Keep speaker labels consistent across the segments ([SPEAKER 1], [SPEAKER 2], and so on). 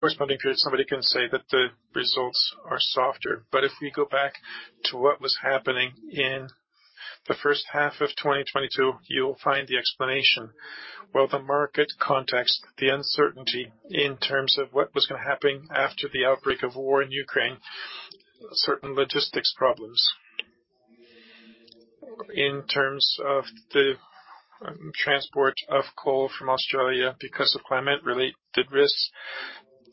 [SPEAKER 1] corresponding period, somebody can say that the results are softer. But if we go back to what was happening in the first half of 2022, you'll find the explanation. Well, the market context, the uncertainty in terms of what was gonna happen after the outbreak of war in Ukraine, certain logistics problems. In terms of the transport of coal from Australia, because of climate-related risks,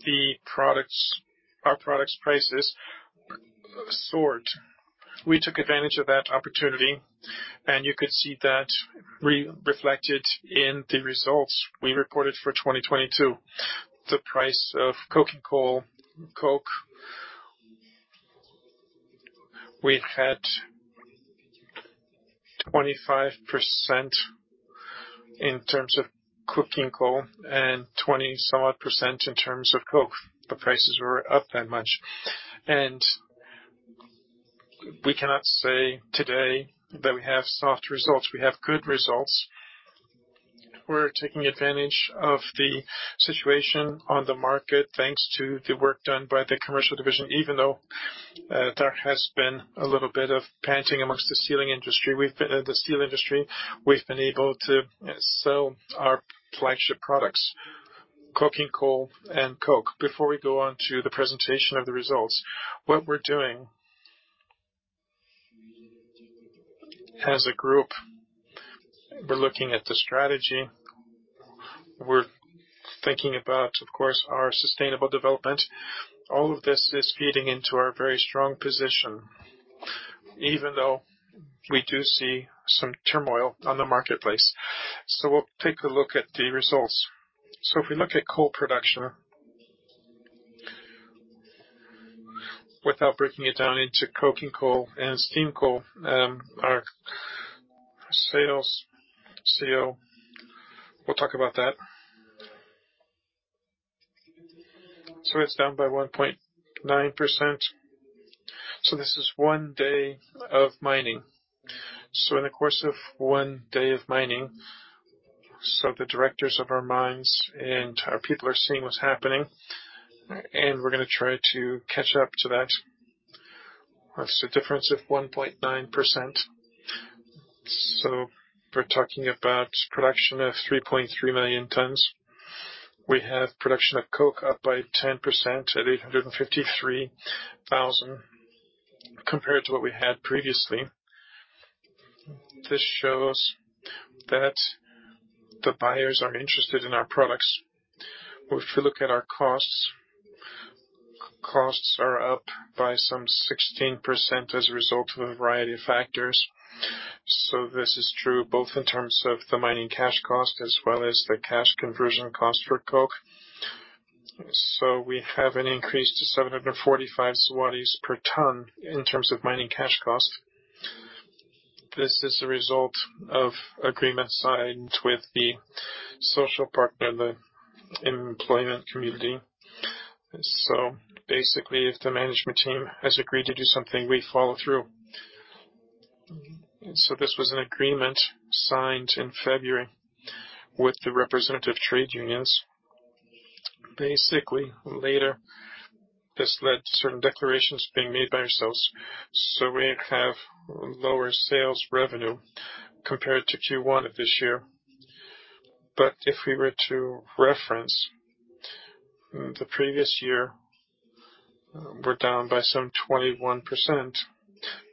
[SPEAKER 1] the products—our products prices soared. We took advantage of that opportunity, and you could see that re-reflected in the results we reported for 2022. The price of coking coal, coke, we had 25% in terms of coking coal and 20-some-odd percent in terms of coke. The prices were up that much. And we cannot say today that we have soft results. We have good results. We're taking advantage of the situation on the market, thanks to the work done by the commercial division even though there has been a little bit of panic in the steel industry. In the steel industry, we've been able to sell our flagship products, coking coal and coke. Before we go on to the presentation of the results, what we're doing as a group, we're looking at the strategy, we're thinking about, of course, our sustainable development. All of this is feeding into our very strong position, even though we do see some turmoil on the marketplace. So we'll take a look at the results. So if we look at coal production, without breaking it down into coking coal and steam coal, our sales. So we'll talk about that. So it's down by 1.9%. So this is one day of mining. So in the course of one day of mining, so the directors of our mines and our people are seeing what's happening, and we're gonna try to catch up to that. That's a difference of 1.9%. So we're talking about production of 3.3 million tons. We have production of coke up by 10% at 853,000, compared to what we had previously. This shows that the buyers are interested in our products. If you look at our costs, costs are up by some 16% as a result of a variety of factors. So this is true both in terms of the mining cash cost as well as the cash conversion cost for coke. So we have an increase to 745 zlotys per ton in terms of mining cash costs. This is a result of agreement signed with the social partner, the employment community. So basically, if the management team has agreed to do something, we follow through. So this was an agreement signed in February with the representative trade unions. Basically, later, this led to certain declarations being made by ourselves. So we have lower sales revenue compared to Q1 of this year. But if we were to reference the previous year, we're down by some 21%,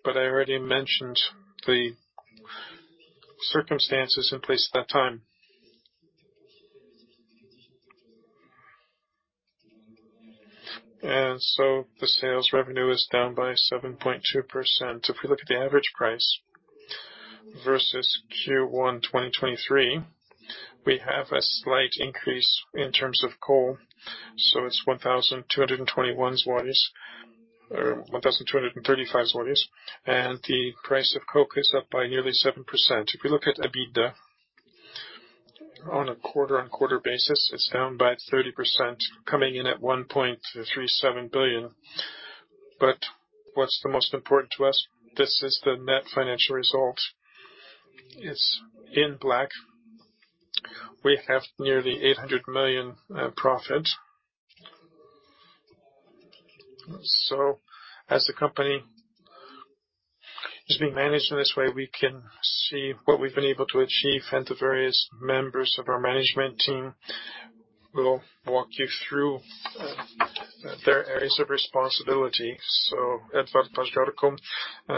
[SPEAKER 1] but I already mentioned the circumstances in place at that time. And so the sales revenue is down by 7.2%. If we look at the average price versus Q1 2023, we have a slight increase in terms of coal, so it's 1,221 zlotys or 1,235 zlotys, and the price of coke is up by nearly 7%. If we look at EBITDA, on a quarter-on-quarter basis, it's down by 30%, coming in at 1.37 billion. But what's the most important to us? This is the net financial result. It's in black. We have nearly 800 million profit. So as the company is being managed in this way, we can see what we've been able to achieve, and the various members of our management team will walk you through their areas of responsibility. So Edward Paździorko,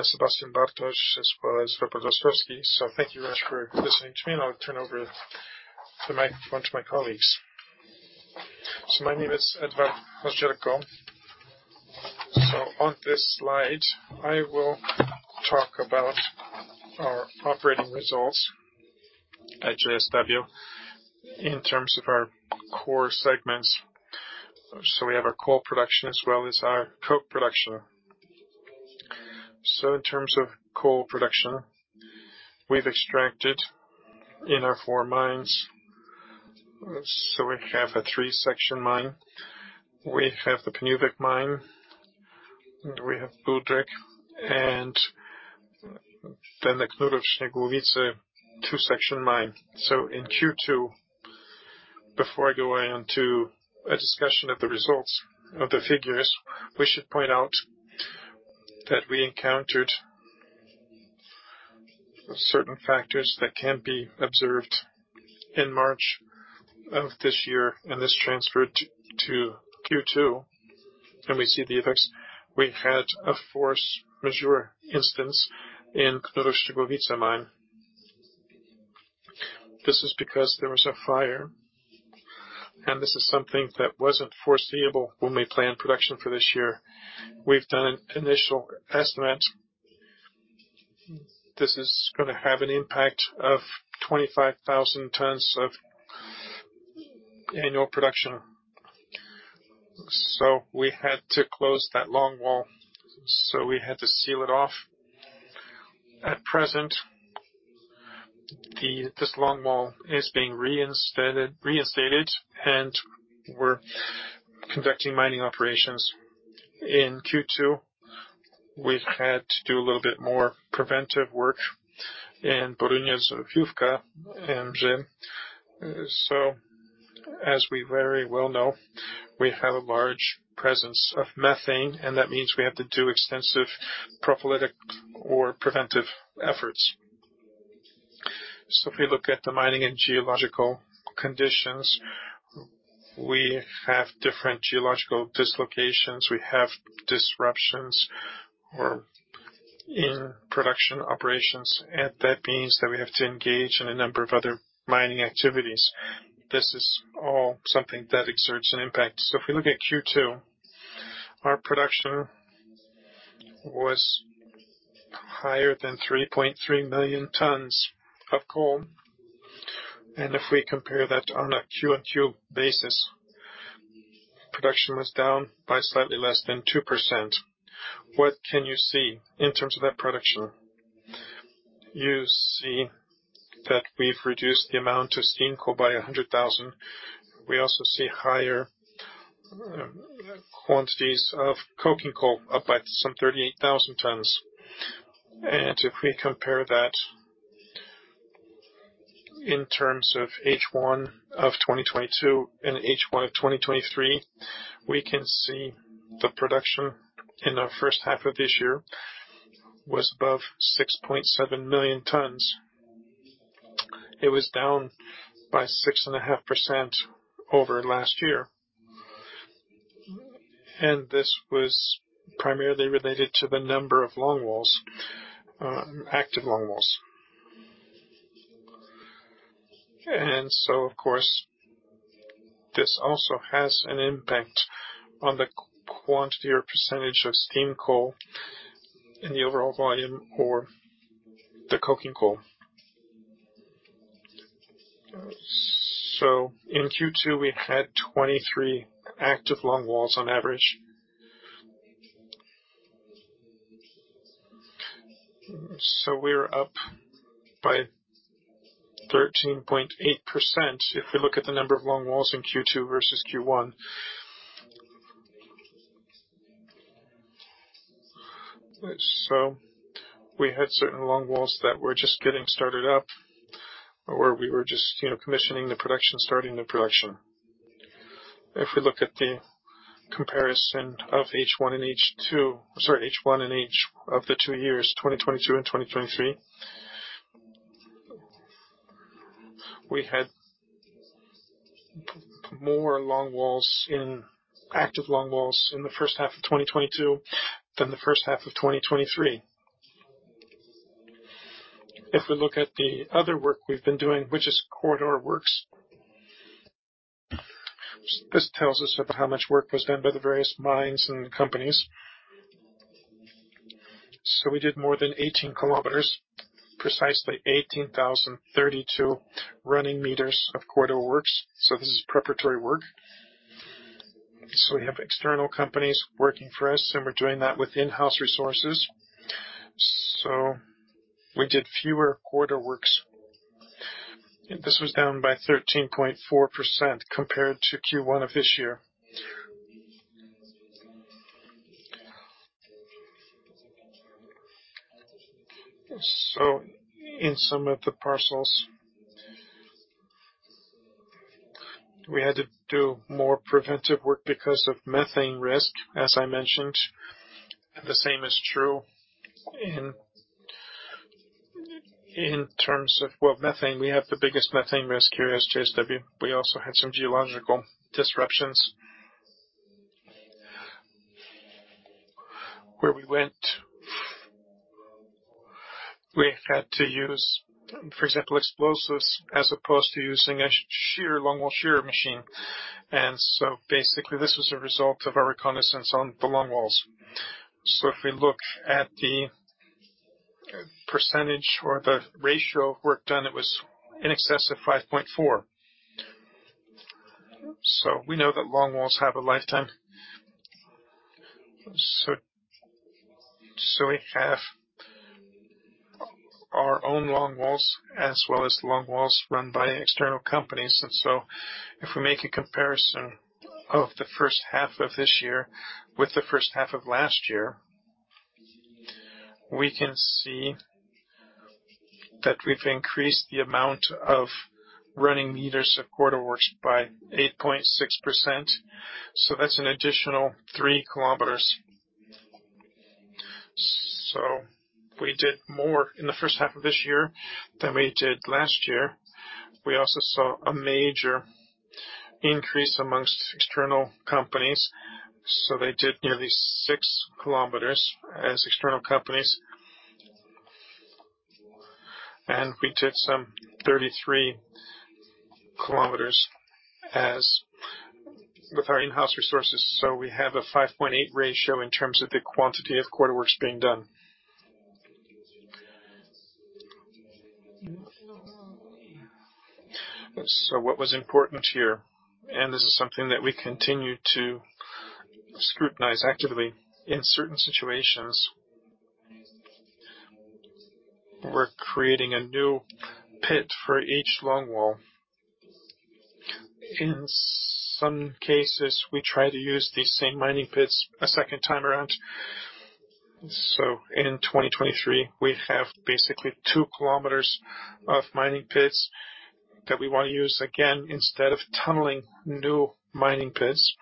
[SPEAKER 1] Sebastian Bartos, as well as Robert Ostrowski. Thank you very much for listening to me, and I'll turn over to one of my colleagues.
[SPEAKER 2] My name is Edward Paździorko. On this slide, I will talk about our operating results at JSW in terms of our core segments. We have our coal production as well as our coke production. In terms of coal production, we've extracted in our four mines, so we have a three-section mine. We have the Pniówek mine. We have Budryk and then the Knurów-Szczygłowice two-section mine. In Q2, before I go on to a discussion of the results of the figures, we should point out that we encountered certain factors that can be observed in March of this year, and this transferred to Q2, and we see the effects. We had a force majeure instance in Knurów-Szczygłowice mine. This is because there was a fire, and this is something that wasn't foreseeable when we planned production for this year. We've done an initial estimate. This is gonna have an impact of 25,000 tons of annual production. So we had to close that longwall, so we had to seal it off. At present, this longwall is being reinstalled, reinstated, and we're conducting mining operations. In Q2, we've had to do a little bit more preventive work in Borynia-Zofiówka and Bzie. So as we very well know, we have a large presence of methane, and that means we have to do extensive prophylactic or preventive efforts. So if we look at the mining and geological conditions, we have different geological dislocations, we have disruptions or in production operations, and that means that we have to engage in a number of other mining activities. This is all something that exerts an impact. So if we look at Q2, our production was higher than 3.3 million tons of coal. And if we compare that on a QoQ basis, production was down by slightly less than 2%. What can you see in terms of that production? You see that we've reduced the amount of steam coal by 100,000. We also see higher quantities of coking coal, up by some 38,000 tons. And if we compare that in terms of H1 of 2022 and H1 of 2023, we can see the production in the first half of this year was above 6.7 million tons. It was down by 6.5% over last year. And this was primarily related to the number of longwalls, active longwalls. Of course, this also has an impact on the quantity or percentage of steam coal in the overall volume or the coking coal. So in Q2, we had 23 active longwalls on average. So we're up by 13.8% if we look at the number of longwalls in Q2 versus Q1. So we had certain longwalls that were just getting started up, or we were just, you know, commissioning the production, starting the production. If we look at the comparison of H1 and H2, sorry, H1 and H1 of the two years, 2022 and 2023, we had more longwalls in active longwalls in the first half of 2022 than the first half of 2023. If we look at the other work we've been doing, which is corridor works, this tells us about how much work was done by the various mines and companies. So we did more than 18 km, precisely 18,032 running meters of corridor works. So this is preparatory work. So we have external companies working for us, and we're doing that with in-house resources. So we did fewer corridor works, and this was down by 13.4% compared to Q1 of this year. So in some of the parcels, we had to do more preventive work because of methane risk, as I mentioned, and the same is true in, in terms of, well, methane, we have the biggest methane risk here as JSW. We also had some geological disruptions. Where we went, we had to use, for example, explosives, as opposed to using a shearer, longwall shearer machine. And so basically, this was a result of our reconnaissance on the longwalls. So if we look at the percentage or the ratio of work done, it was in excess of 5.4. So we know that longwalls have a lifetime. So we have our own longwalls, as well as the longwalls run by external companies. And so if we make a comparison of the first half of this year with the first half of last year, we can see that we've increased the amount of running meters of corridor works by 8.6%, so that's an additional 3 km. So we did more in the first half of this year than we did last year. We also saw a major increase among external companies, so they did nearly 6 km as external companies. And we did some 33 km with our in-house resources, so we have a 5.8 ratio in terms of the quantity of quarter works being done. So what was important here, and this is something that we continue to scrutinize actively. In certain situations, we're creating a new pit for each longwall. In some cases, we try to use these same mining pits a second time around. So in 2023, we have basically 2 km of mining pits that we want to use again, instead of tunneling new mining pits,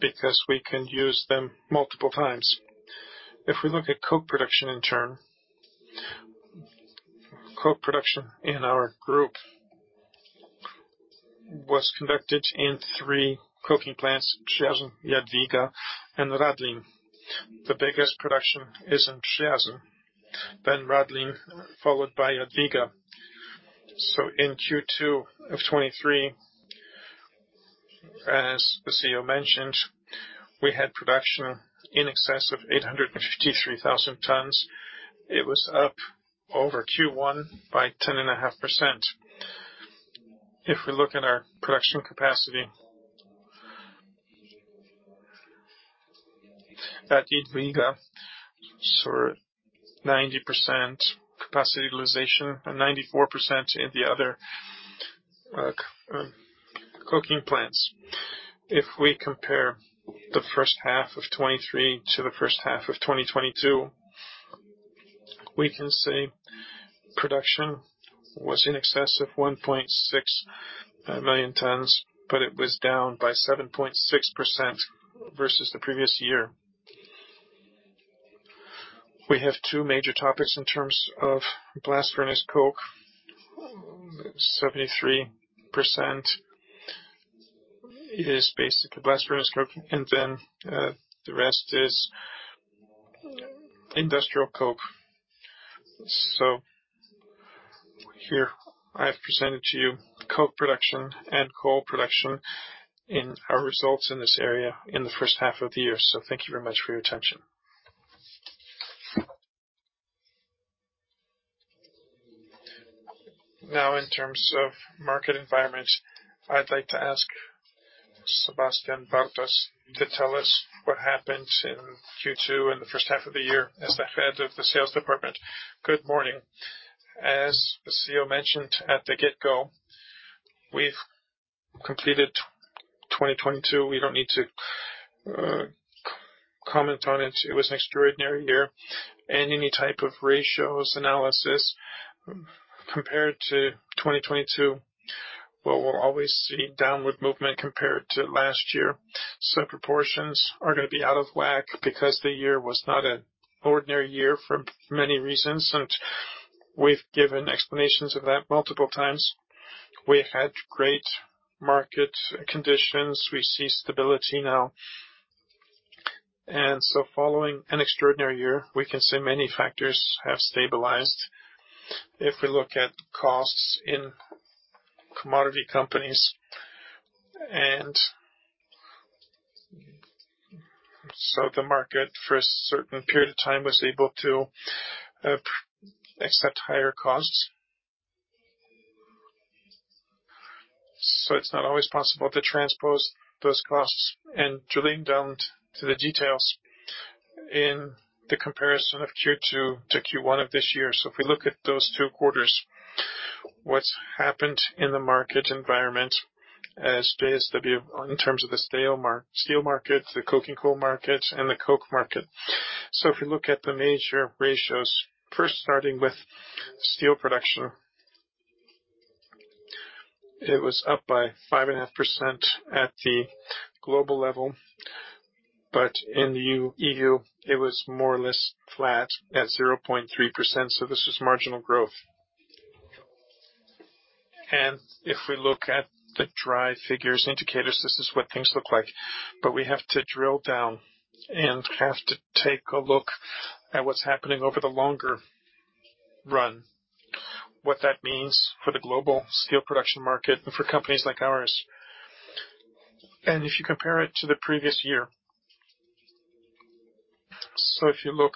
[SPEAKER 2] because we can use them multiple times. If we look at coke production in turn, coke production in our group was conducted in three coking plants, Przyjaźń, Jadwiga, and Radlin. The biggest production is in Przyjaźń, then Radlin, followed by Jadwiga. So in Q2 of 2023, as the CEO mentioned, we had production in excess of 853,000 tons. It was up over Q1 by 10.5%. If we look at our production capacity at Jadwiga, so 90% capacity utilization and 94% in the other coking plants. If we compare the first half of 2023 to the first half of 2022, we can say production was in excess of 1.6 million tons, but it was down by 7.6% versus the previous year. We have two major topics in terms of blast furnace coke. 73% is basically blast furnace coke, and then the rest is industrial coke. So here I have presented to you coke production and coal production in our results in this area in the first half of the year. So thank you very much for your attention.
[SPEAKER 1] Now, in terms of market environment, I'd like to ask Sebastian Bartos to tell us what happened in Q2 in the first half of the year as the Head of the Sales Department.
[SPEAKER 3] Good morning. As the CEO mentioned at the get-go, we've completed 2022. We don't need to comment on it. It was an extraordinary year, and any type of ratios analysis compared to 2022, well, we'll always see downward movement compared to last year. Some proportions are gonna be out of whack because the year was not an ordinary year for many reasons, and we've given explanations of that multiple times. We had great market conditions. We see stability now. And so following an extraordinary year, we can say many factors have stabilized. If we look at costs in commodity companies, and so the market for a certain period of time was able to accept higher costs. So it's not always possible to transpose those costs and drilling down to the details in the comparison of Q2 to Q1 of this year. So if we look at those two quarters, what's happened in the market environment as JSW in terms of the steel market, the coking coal market, and the coke market. So if you look at the major ratios, first starting with steel production, it was up by 5.5% at the global level, but in the EU, it was more or less flat at 0.3%, so this was marginal growth. If we look at the dry figures indicators, this is what things look like. But we have to drill down and have to take a look at what's happening over the longer run, what that means for the global steel production market and for companies like ours. If you compare it to the previous year, so if you look,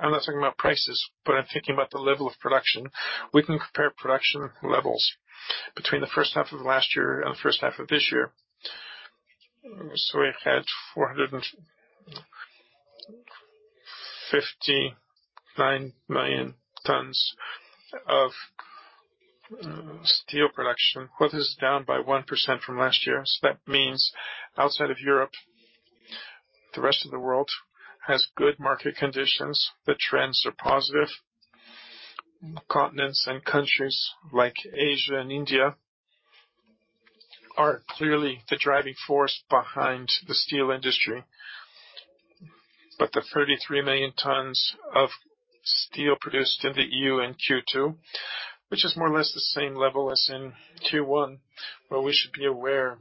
[SPEAKER 3] I'm not talking about prices, but I'm thinking about the level of production. We can compare production levels between the first half of last year and the first half of this year. So we've had 459 million tons of steel production, which is down by 1% from last year. That means outside of Europe, the rest of the world has good market conditions. The trends are positive. Continents and countries like Asia and India are clearly the driving force behind the steel industry.
[SPEAKER 1] But the 33 million tons of steel produced in the EU in Q2, which is more or less the same level as in Q1, well, we should be aware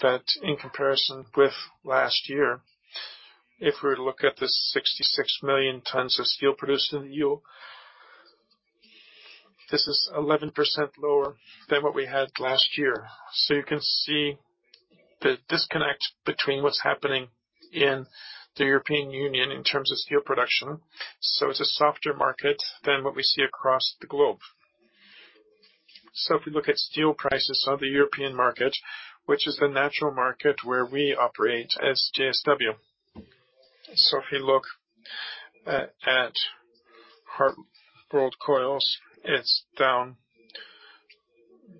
[SPEAKER 1] that in comparison with last year, if we were to look at the 66 million tons of steel produced in the EU, this is 11% lower than what we had last year. So you can see the disconnect between what's happening in the European Union in terms of steel production. So it's a softer market than what we see across the globe. So if we look at steel prices on the European market, which is the natural market where we operate as JSW. So if we look at hot rolled coils, it's down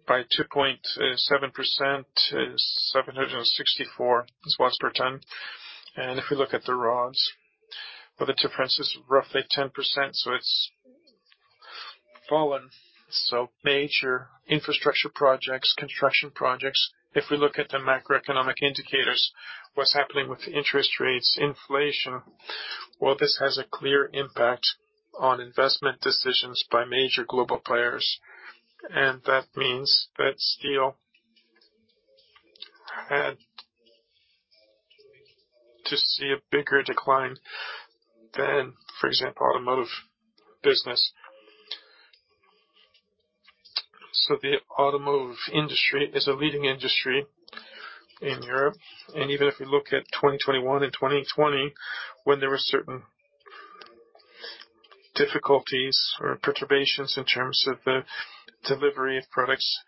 [SPEAKER 1] by 2.7%, 764 per ton.
[SPEAKER 3] If we look at the rods, well, the difference is roughly 10%, so it's fallen. So major infrastructure projects, construction projects, if we look at the macroeconomic indicators, what's happening with interest rates, inflation, well, this has a clear impact on investment decisions by major global players, and that means that steel had to see a bigger decline than, for example, automotive business. So the automotive industry is a leading industry in Europe, and even if we look at 2021 and 2020, when there were certain difficulties or perturbations in terms of the delivery of products,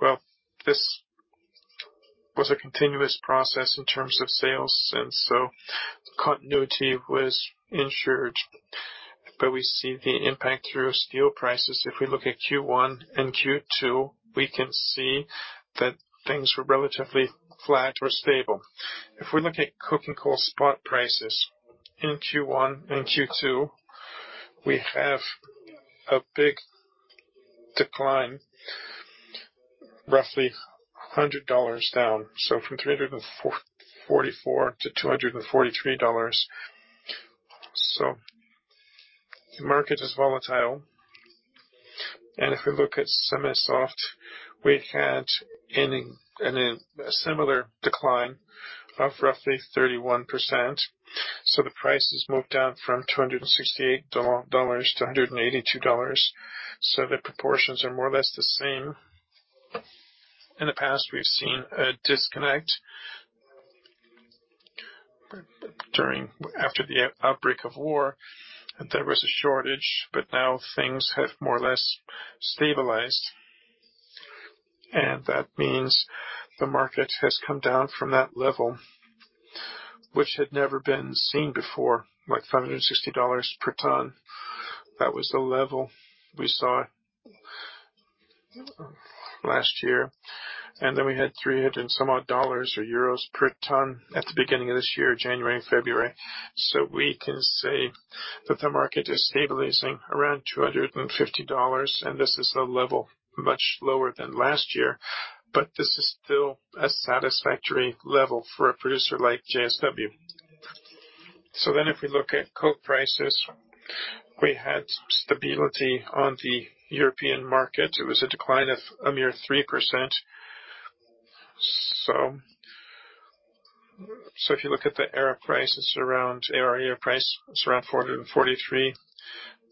[SPEAKER 3] well, this was a continuous process in terms of sales, and so continuity was ensured. But we see the impact through steel prices. If we look at Q1 and Q2, we can see that things were relatively flat or stable. If we look at coking coal spot prices in Q1 and Q2, we have a big decline, roughly $100 down, so from $344-$243. So the market is volatile, and if we look at semi-soft, we had a similar decline of roughly 31%. So the prices moved down from $268-$182. So the proportions are more or less the same. In the past, we've seen a disconnect. During. After the outbreak of war, there was a shortage, but now things have more or less stabilized, and that means the market has come down from that level, which had never been seen before, like $560 per ton. That was the level we saw last year, and then we had $300 and some odd dollars or euros per ton at the beginning of this year, January and February. So we can say that the market is stabilizing around $250, and this is a level much lower than last year, but this is still a satisfactory level for a producer like JSW. So then, if we look at coke prices, we had stability on the European market. It was a decline of a mere 3%. So if you look at the ARA prices around ARA price, it's around $443.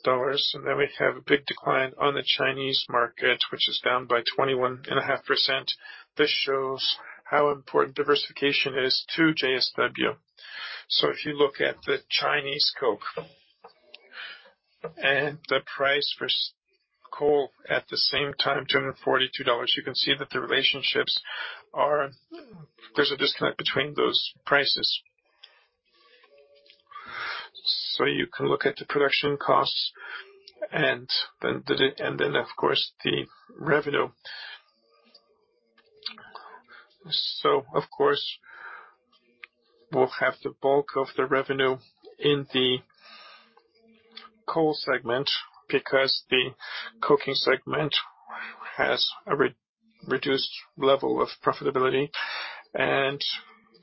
[SPEAKER 3] And then we have a big decline on the Chinese market, which is down by 21.5%. This shows how important diversification is to JSW. So if you look at the Chinese coke and the price for steam coal at the same time, $242, you can see that the relationships are, there's a disconnect between those prices. So you can look at the production costs and then, of course, the revenue. So of course, we'll have the bulk of the revenue in the coal segment, because the coking segment has a reduced level of profitability. And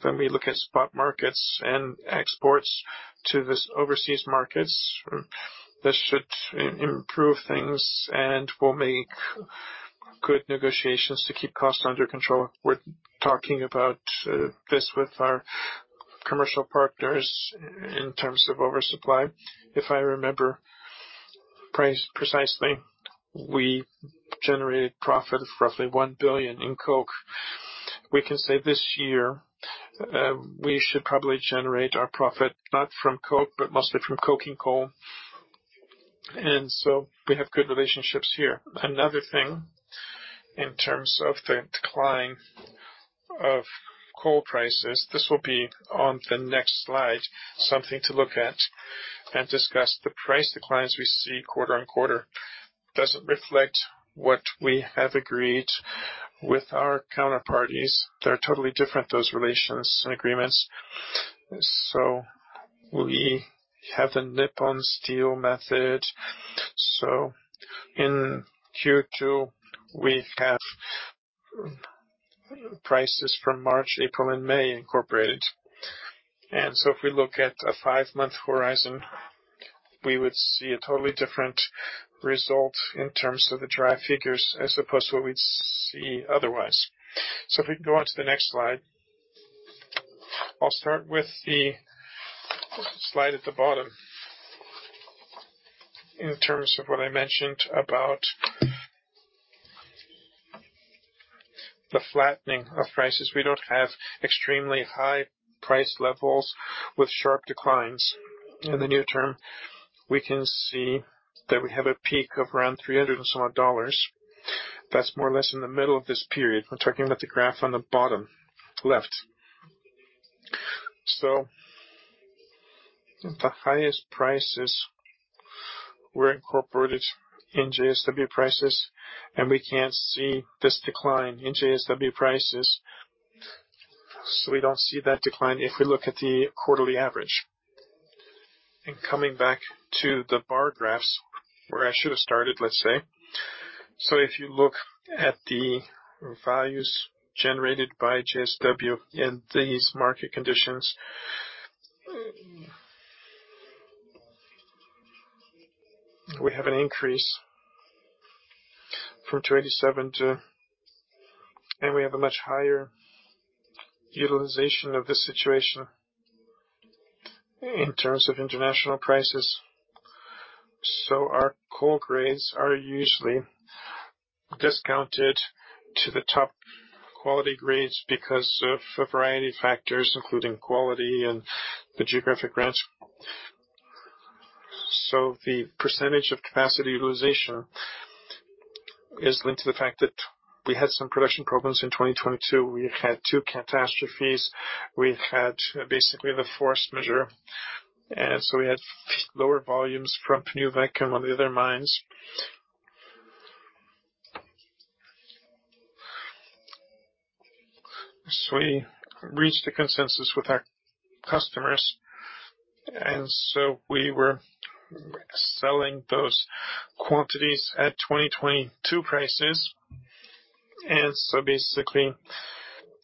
[SPEAKER 3] when we look at spot markets and exports to these overseas markets, this should improve things, and we'll make good negotiations to keep costs under control. We're talking about this with our commercial partners in terms of oversupply. If I remember precisely, we generated profit of roughly 1 billion in coke. We can say this year, we should probably generate our profit not from coke, but mostly from coking coal. And so we have good relationships here. Another thing, in terms of the decline of coal prices, this will be on the next slide, something to look at and discuss. The price declines we see quarter-on-quarter doesn't reflect what we have agreed with our counterparties. They're totally different, those relations and agreements. So we have the Nippon Steel method. So in Q2, we have prices from March, April, and May incorporated. And so if we look at a five-month horizon, we would see a totally different result in terms of the dry figures, as opposed to what we'd see otherwise. So if we go on to the next slide, I'll start with the slide at the bottom. In terms of what I mentioned about the flattening of prices, we don't have extremely high price levels with sharp declines. In the near term, we can see that we have a peak of around $300 and some odd dollars. That's more or less in the middle of this period. I'm talking about the graph on the bottom left. So the highest prices were incorporated in JSW prices, and we can't see this decline in JSW prices. So we don't see that decline if we look at the quarterly average. Coming back to the bar graphs, where I should have started, let's say. So if you look at the values generated by JSW in these market conditions, we have an increase from 27 to, and we have a much higher utilization of this situation in terms of international prices. So our coal grades are usually discounted to the top quality grades because of a variety of factors, including quality and the geographic rents. So the percentage of capacity utilization is linked to the fact that we had some production problems in 2022. We had two catastrophes. We had basically the force majeure, and so we had lower volumes from Pniówek on the other mines. So we reached a consensus with our customers, and so we were selling those quantities at 2022 prices. And so basically,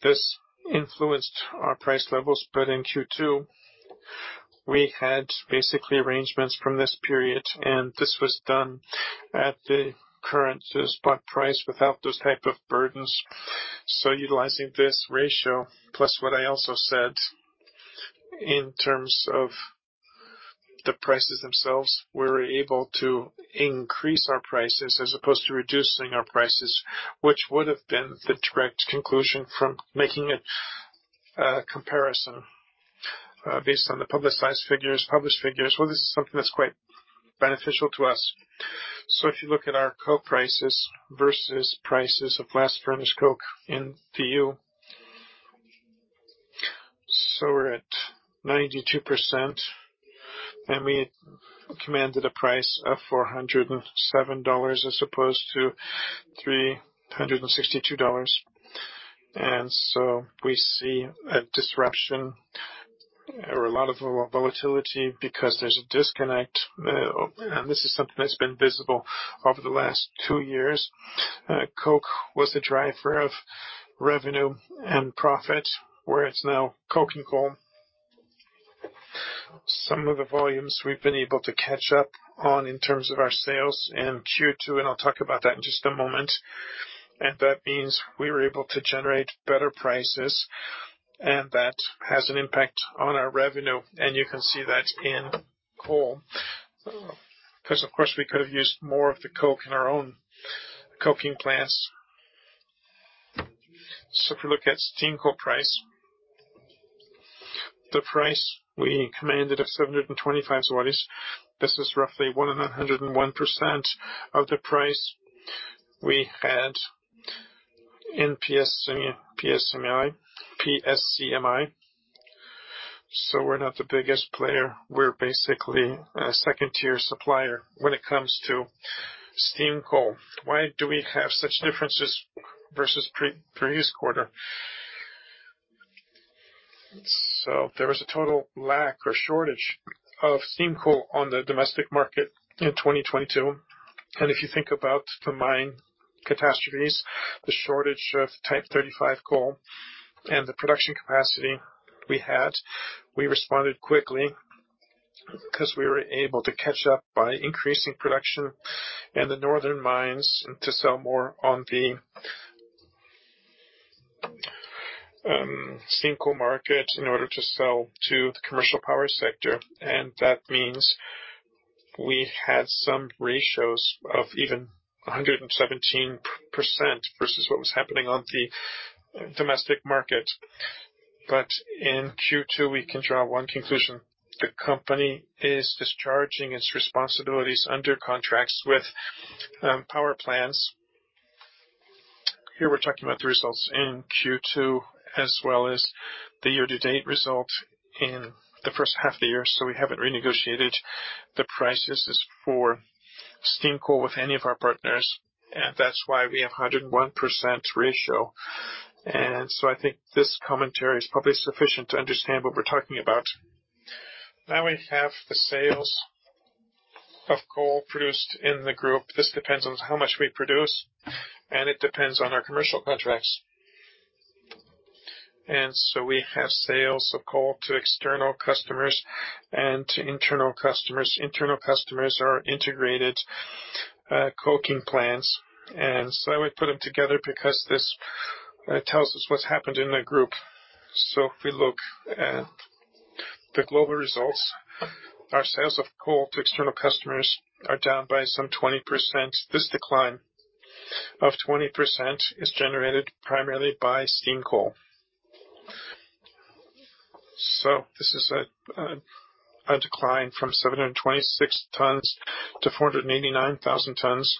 [SPEAKER 3] this influenced our price levels. But in Q2, we had basically arrangements from this period, and this was done at the current spot price without those type of burdens. So utilizing this ratio, plus what I also said, in terms of the prices themselves, we're able to increase our prices as opposed to reducing our prices, which would have been the direct conclusion from making a comparison based on the publicized figures, published figures. Well, this is something that's quite beneficial to us. So if you look at our coal prices versus prices of blast furnace coke in PU, so we're at 92%, and we commanded a price of $407, as opposed to $362. And so we see a disruption or a lot of volatility because there's a disconnect, and this is something that's been visible over the last two years. Coke was the driver of revenue and profit, where it's now coke and coal. Some of the volumes we've been able to catch up on in terms of our sales in Q2, and I'll talk about that in just a moment. That means we were able to generate better prices, and that has an impact on our revenue. You can see that in coal, because, of course, we could have used more of the coke in our own coking plants. So if you look at steam coal price, the price we commanded of 725 zlotys. This is roughly 101% of the price we had in PSCMI. So we're not the biggest player. We're basically a second-tier supplier when it comes to steam coal. Why do we have such differences versus previous quarter? So there was a total lack or shortage of steam coal on the domestic market in 2022. If you think about the mine catastrophes, the shortage of Type 35 coal and the production capacity we had, we responded quickly because we were able to catch up by increasing production in the northern mines to sell more on the steam coal market in order to sell to the commercial power sector. And that means we had some ratios of even 117% versus what was happening on the domestic market. But in Q2, we can draw one conclusion: the company is discharging its responsibilities under contracts with power plants. Here we're talking about the results in Q2, as well as the year-to-date result in the first half of the year. So we haven't renegotiated the prices for steam coal with any of our partners, and that's why we have a 101% ratio. I think this commentary is probably sufficient to understand what we're talking about. Now we have the sales of coal produced in the group. This depends on how much we produce, and it depends on our commercial contracts. We have sales of coal to external customers and to internal customers. Internal customers are integrated coking plants, and so I would put them together because this tells us what's happened in the group. So if we look at the global results, our sales of coal to external customers are down by some 20%. This decline of 20% is generated primarily by steam coal. So this is a decline from 726 tons to 489,000 tons.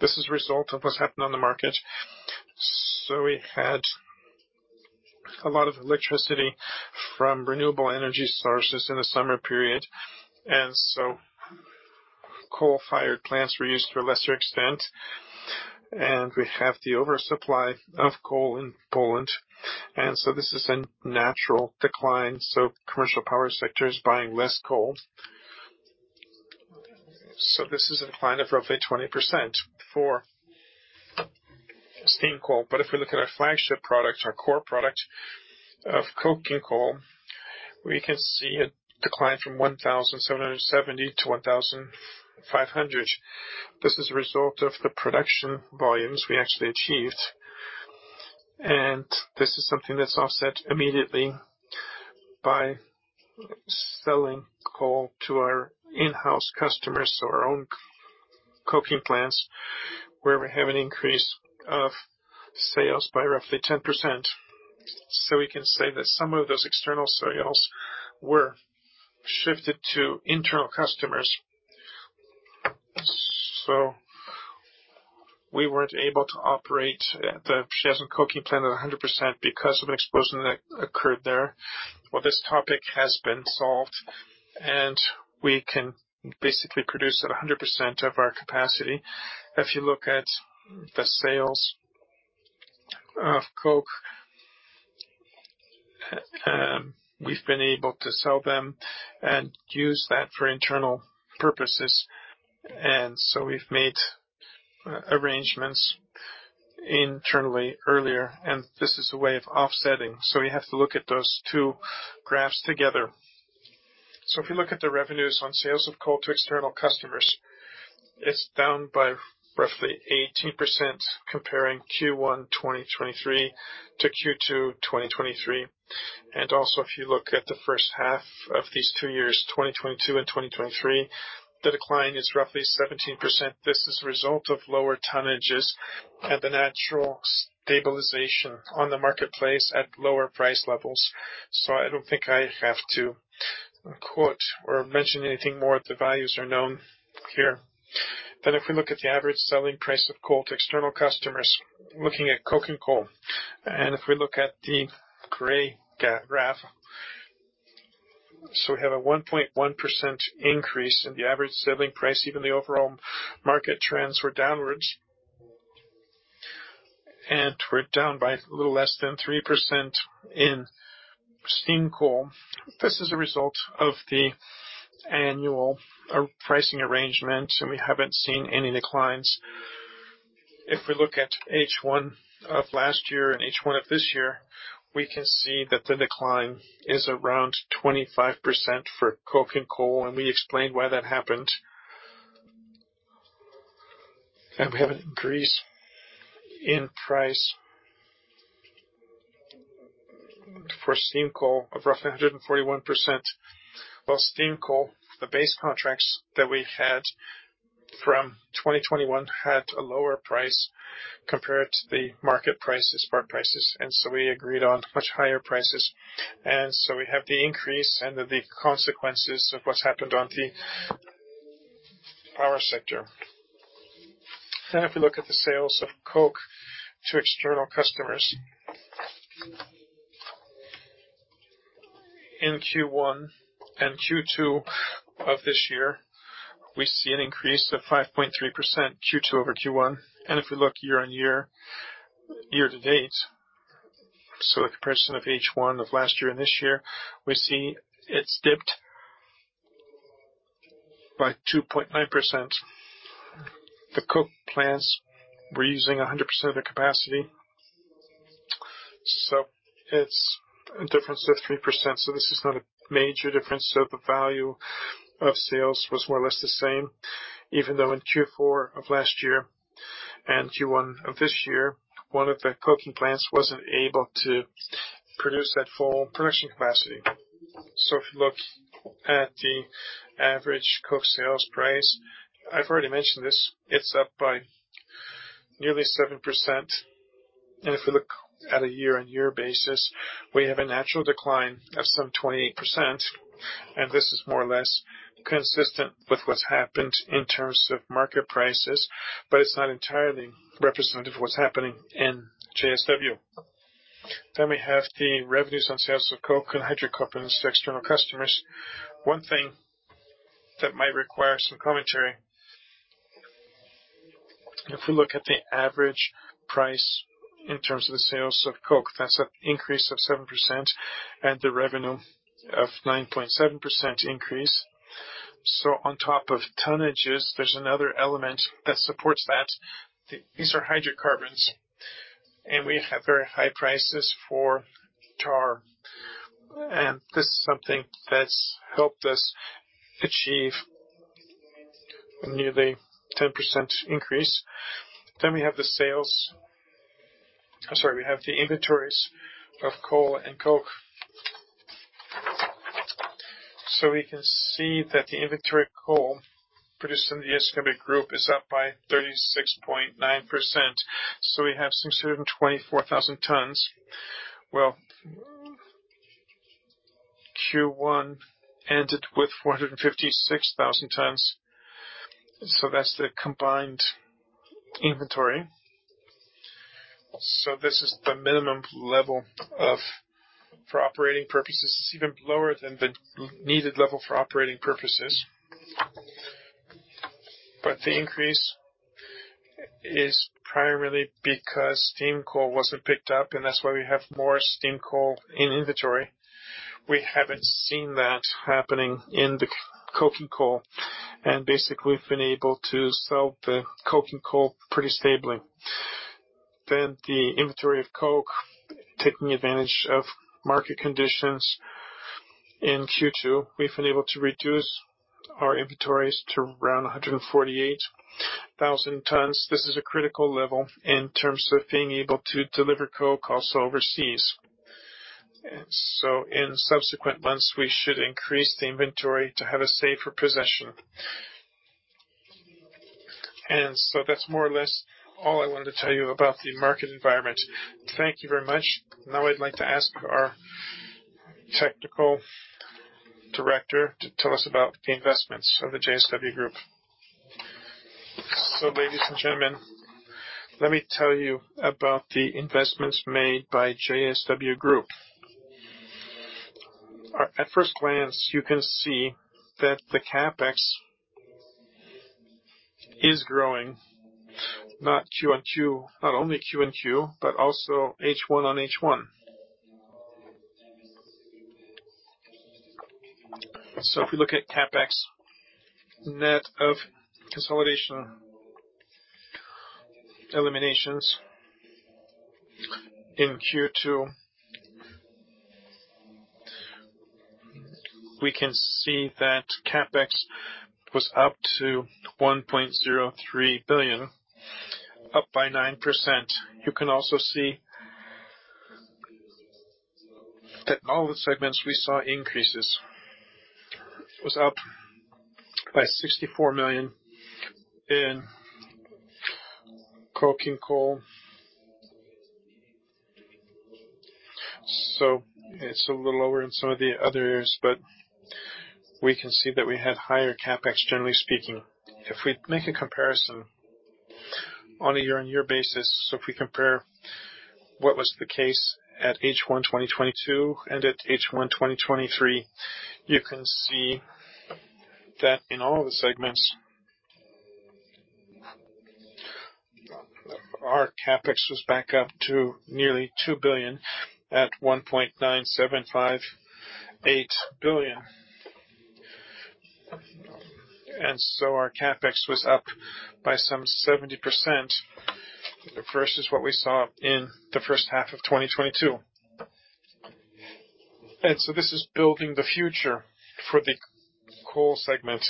[SPEAKER 3] This is a result of what's happened on the market. We had a lot of electricity from renewable energy sources in the summer period, and so coal-fired plants were used to a lesser extent. We have the oversupply of coal in Poland, and so this is a natural decline, so commercial power sector is buying less coal. This is a decline of roughly 20% for steam coal. But if we look at our flagship product, our core product of coking coal, we can see it declined from 1,770 to 1,500. This is a result of the production volumes we actually achieved, and this is something that's offset immediately by selling coal to our in-house customers or our own coking plants, where we have an increase of sales by roughly 10%. We can say that some of those external sales were shifted to internal customers. So we weren't able to operate at the Przyjaźń coking plant at 100 because of an explosion that occurred there. Well, this topic has been solved, and we can basically produce at 100% of our capacity. If you look at the sales of coke, we've been able to sell them and use that for internal purposes, and so we've made arrangements internally earlier, and this is a way of offsetting. So you have to look at those two graphs together. So if you look at the revenues on sales of coal to external customers, it's down by roughly 18%, comparing Q1 2023 to Q2 2023. And also, if you look at the first half of these two years, 2022 and 2023, the decline is roughly 17%. This is a result of lower tonnages and the natural stabilization on the marketplace at lower price levels. So I don't think I have to quote or mention anything more. The values are known here. Then, if we look at the average selling price of coal to external customers, looking at coking coal, and if we look at the gray graph, so we have a 1.1% increase in the average selling price, even the overall market trends were downwards. And we're down by a little less than 3% in steam coal. This is a result of the annual pricing arrangement, and we haven't seen any declines. If we look at H1 of last year and H1 of this year, we can see that the decline is around 25% for coking coal, and we explained why that happened. We have an increase in price for steam coal of roughly 141%. While steam coal, the base contracts that we had from 2021, had a lower price compared to the market prices, spot prices, and so we agreed on much higher prices. We have the increase and the consequences of what's happened on the power sector. Then, if we look at the sales of coke to external customers, in Q1 and Q2 of this year, we see an increase of 5.3%, Q2 over Q1. If we look year-on-year, year-to-date, so a comparison of H1 of last year and this year, we see it's dipped by 2.9%. The coke plants were using 100% of the capacity, so it's a difference of 3%. This is not a major difference. So the value of sales was more or less the same, even though in Q4 of last year and Q1 of this year, one of the coking plants wasn't able to produce at full production capacity. So if you look at the average coke sales price, I've already mentioned this, it's up by nearly 7%. And if we look at a year-on-year basis, we have a natural decline of some 28%, and this is more or less consistent with what's happened in terms of market prices, but it's not entirely representative of what's happening in JSW. Then we have the revenues on sales of coke and hydrocarbons to external customers. One thing that might require some commentary, if we look at the average price in terms of the sales of coke, that's an increase of 7% and the revenue of 9.7% increase. So on top of tonnages, there's another element that supports that. These are hydrocarbons, and we have very high prices for tar, and this is something that's helped us achieve nearly 10% increase. Then we have the sales—I'm sorry, we have the inventories of coal and coke. So we can see that the inventory coal produced in the JSW Group is up by 36.9%. So we have some 724,000 tons. Well, Q1 ended with 456,000 tons, so that's the combined inventory. So this is the minimum level of—for operating purposes. It's even lower than the needed level for operating purposes. But the increase is primarily because steam coal wasn't picked up, and that's why we have more steam coal in inventory. We haven't seen that happening in the coking coal, and basically, we've been able to sell the coking coal pretty stably. Then the inventory of coke, taking advantage of market conditions in Q2, we've been able to reduce our inventories to around 148,000 tons. This is a critical level in terms of being able to deliver coke also overseas. And so in subsequent months, we should increase the inventory to have a safer possession. And so that's more or less all I wanted to tell you about the market environment.
[SPEAKER 1] Thank you very much. Now I'd like to ask our technical director to tell us about the investments of the JSW Group.
[SPEAKER 2] So ladies and gentlemen, let me tell you about the investments made by JSW Group. At first glance, you can see that the CapEx is growing, not Q-on-Q—not only Q-on-Q, but also H1 on H1. So if we look at CapEx, net of consolidation eliminations in Q2, we can see that CapEx was up to 1.03 billion, up by 9%. You can also see that all the segments we saw increases was up by 64 million in coking coal. So it's a little lower in some of the others, but we can see that we had higher CapEx, generally speaking. If we make a comparison on a year-on-year basis, so if we compare what was the case at H1 2022, and at H1 2023, you can see that in all the segments, our CapEx was back up to nearly 2 billion at 1.9758 billion. Our CapEx was up by some 70% versus what we saw in the first half of 2022. So this is building the future for the coal segment.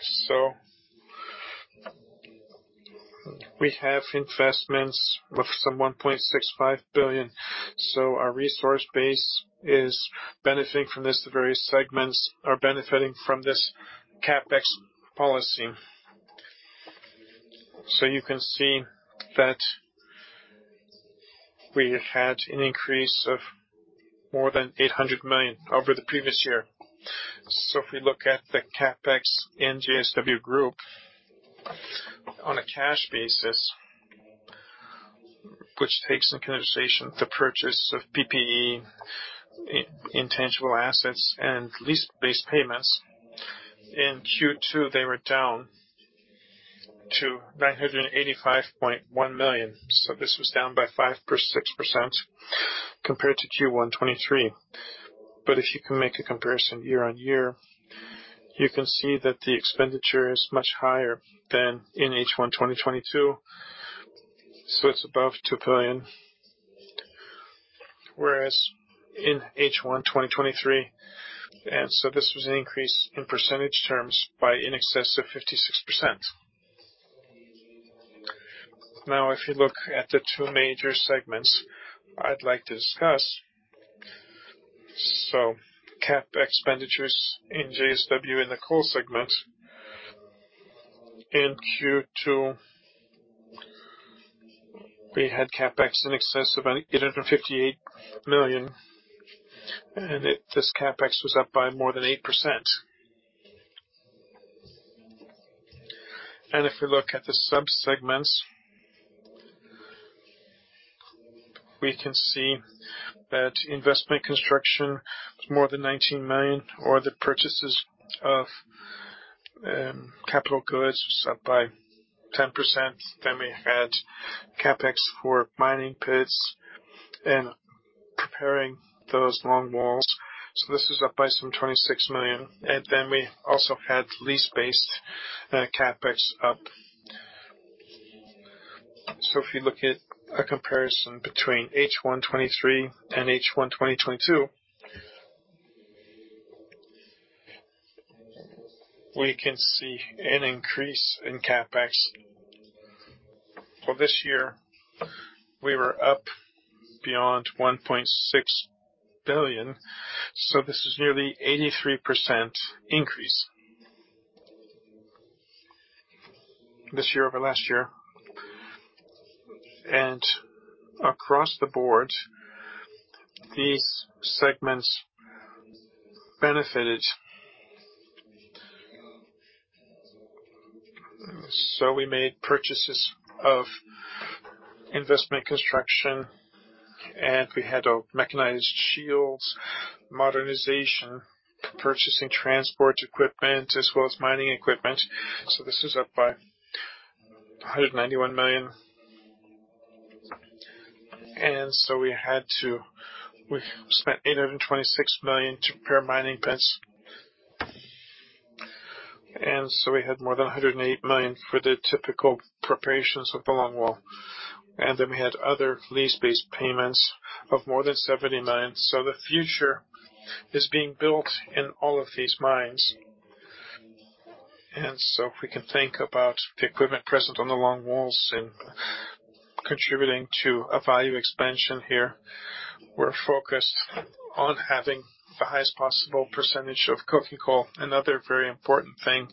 [SPEAKER 2] So we have investments of some 1.65 billion. So our resource base is benefiting from this. The various segments are benefiting from this CapEx policy. So you can see that we have had an increase of more than 800 million over the previous year. So if we look at the CapEx in JSW Group on a cash basis, which takes into consideration the purchase of PPE, intangible assets and lease-based payments, in Q2, they were down to 985.1 million. So this was down by 5%-6% compared to Q1 2023. But if you can make a comparison year-on-year, you can see that the expenditure is much higher than in H1 2022, so it's above 2 billion, whereas in H1 2023, and so this was an increase in percentage terms by in excess of 56%. Now, if you look at the two major segments I'd like to discuss. So CapEx in JSW in the coal segment, in Q2, we had CapEx in excess of 858 million, and this CapEx was up by more than 8%. And if we look at the sub-segments, we can see that investment construction was more than 19 million, or the purchases of capital goods was up by 10%. Then we had CapEx for mining pits and preparing those longwalls. So this is up by some 26 million. Then we also had lease-based CapEx up. So if you look at a comparison between H1 2023 and H1 2022, we can see an increase in CapEx. For this year, we were up beyond 1.6 billion, so this is nearly 83% increase this year over last year. And across the board, these segments benefited. So we made purchases of investment construction, and we had mechanized shields, modernization, purchasing transport equipment, as well as mining equipment. So this is up by 191 million. And so we spent 826 million to prepare mining pits. And so we had more than 108 million for the typical preparations of the longwall. And then we had other lease-based payments of more than 70 million. So the future is being built in all of these mines. If we can think about the equipment present on the longwalls and contributing to a value expansion here, we're focused on having the highest possible percentage of coking coal. Another very important thing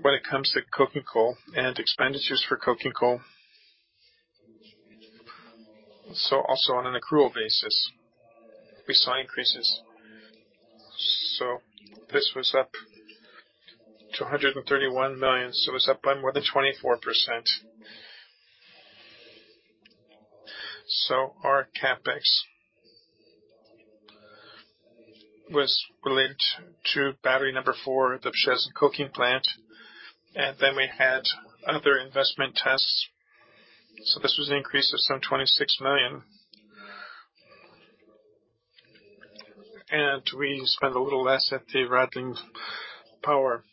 [SPEAKER 2] when it comes to coking coal and expenditures for coking coal. So also on an accrual basis, we saw increases. So this was up to 131 million, so it's up by more than 24%. So our CapEx was related to battery number four, the Przyjaźń coking plant, and then we had other investment tasks. So this was an increase of some 26 million. And we spent a little less at the Radlin power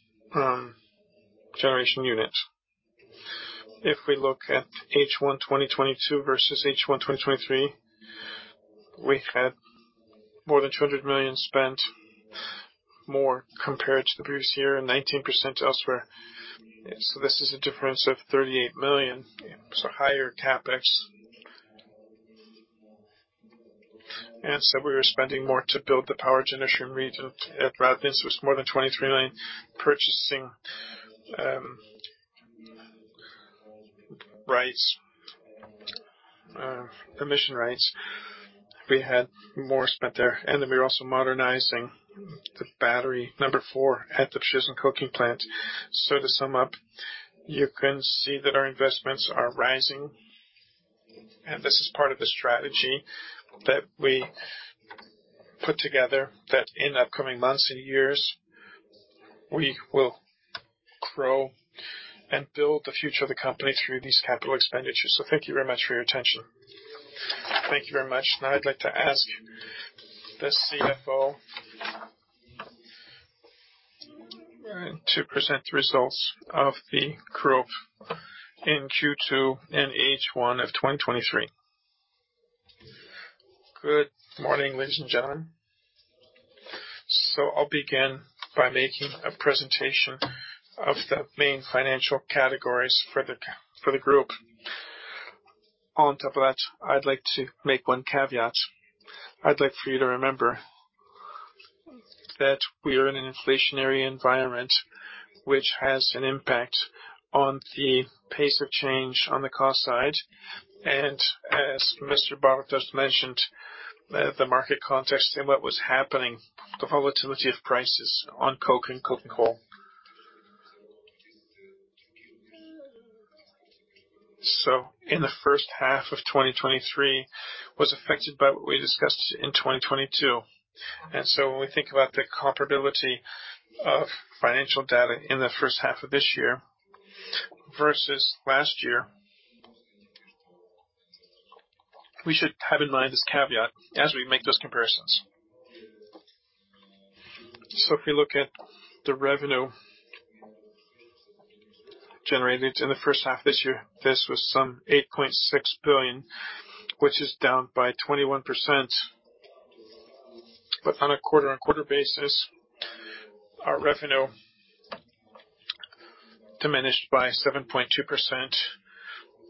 [SPEAKER 2] generation unit. If we look at H1 2022 versus H1 2023, we had more than 200 million spent, more compared to the previous year, and 19% elsewhere. So this is a difference of 38 million, so higher CapEx. And so we were spending more to build the power generation region at Radlin. So it's more than PLN 23 million purchasing rights, emission rights. We had more spent there, and then we're also modernizing the battery number four at the Przyjaźń coking plant. So to sum up, you can see that our investments are rising, and this is part of the strategy that we put together, that in upcoming months and years, we will grow and build the future of the company through these capital expenditures. So thank you very much for your attention.
[SPEAKER 1] Thank you very much. Now, I'd like to ask the CFO to present the results of the group in Q2 and H1 of 2023.
[SPEAKER 4] Good morning, ladies and gentlemen. So I'll begin by making a presentation of the main financial categories for the group. On top of that, I'd like to make one caveat. I'd like for you to remember that we are in an inflationary environment, which has an impact on the pace of change on the cost side, and as Mr. Bartos just mentioned, the market context and what was happening, the volatility of prices on coke and coking coal. So in the first half of 2023 was affected by what we discussed in 2022. So when we think about the comparability of financial data in the first half of this year versus last year, we should have in mind this caveat as we make those comparisons. So if we look at the revenue generated in the first half of this year, this was some 8.6 billion, which is down by 21%. But on a quarter-on-quarter basis, our revenue diminished by 7.2%,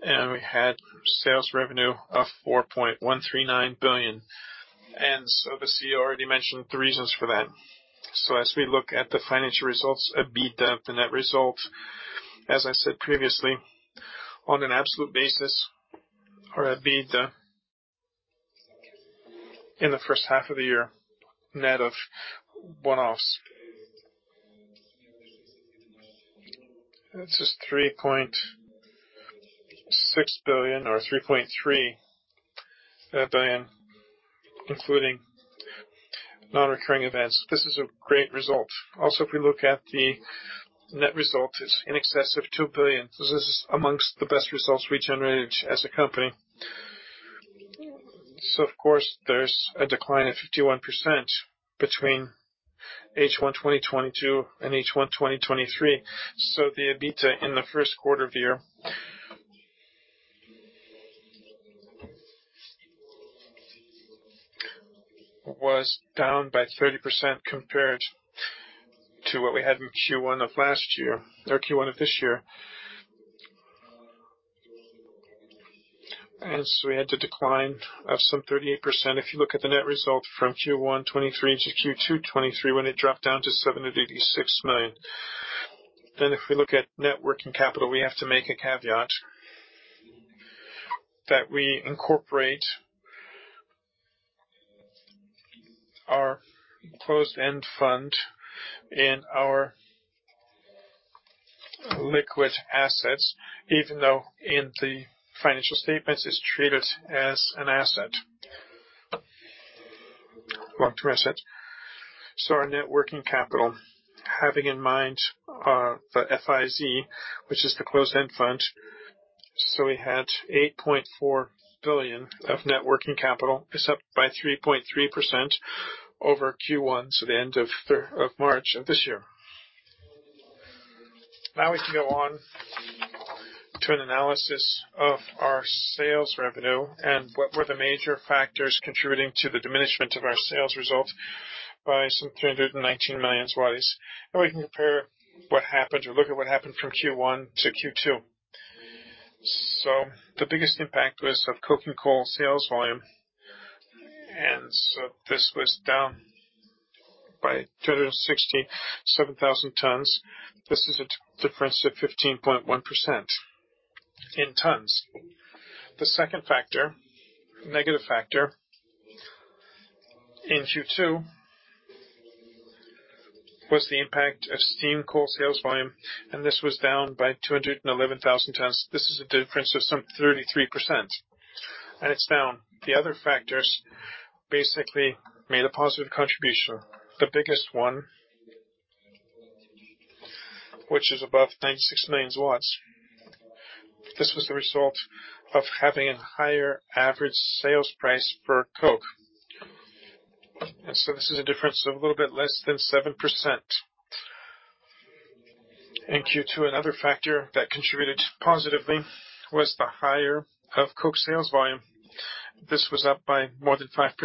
[SPEAKER 4] and we had sales revenue of 4.139 billion. And so the CEO already mentioned the reasons for that. So as we look at the financial results, EBITDA, the net result, as I said previously, on an absolute basis, our EBITDA in the first half of the year, net of one-offs, this is 3.6 billion or 3.3 billion, including non-recurring events. This is a great result. Also, if we look at the net result, is in excess of 2 billion. This is amongst the best results we generated as a company. So of course, there's a decline of 51% between H1 2022 and H1 2023. So the EBITDA in the first quarter of the year was down by 30% compared to what we had in Q1 of last year or Q1 of this year. And so we had a decline of some 38%. If you look at the net result from Q1 2023 to Q2 2023, when it dropped down to 786 million. Then if we look at net working capital, we have to make a caveat, that we incorporate our closed-end fund in our liquid assets, even though in the financial statements, it's treated as an asset. Long-term asset. So our net working capital, having in mind, the FIZ, which is the closed-end fund, so we had 8.4 billion of net working capital. It's up by 3.3% over Q1, so the end of March of this year. Now, we can go on to an analysis of our sales revenue and what were the major factors contributing to the diminishment of our sales results by 319 million. We can compare what happened or look at what happened from Q1 to Q2. The biggest impact was of coke and coal sales volume, and so this was down by 267,000 tons. This is a difference of 15.1% in tons. The second factor, negative factor in Q2, was the impact of steam coal sales volume, and this was down by 211,000 tons. This is a difference of some 33%, and it's down. The other factors basically made a positive contribution. The biggest one, which is above 96 million. This was the result of having a higher average sales price per coke. And so this is a difference of a little bit less than 7%. In Q2, another factor that contributed positively was the higher of coke sales volume. This was up by more than 5%.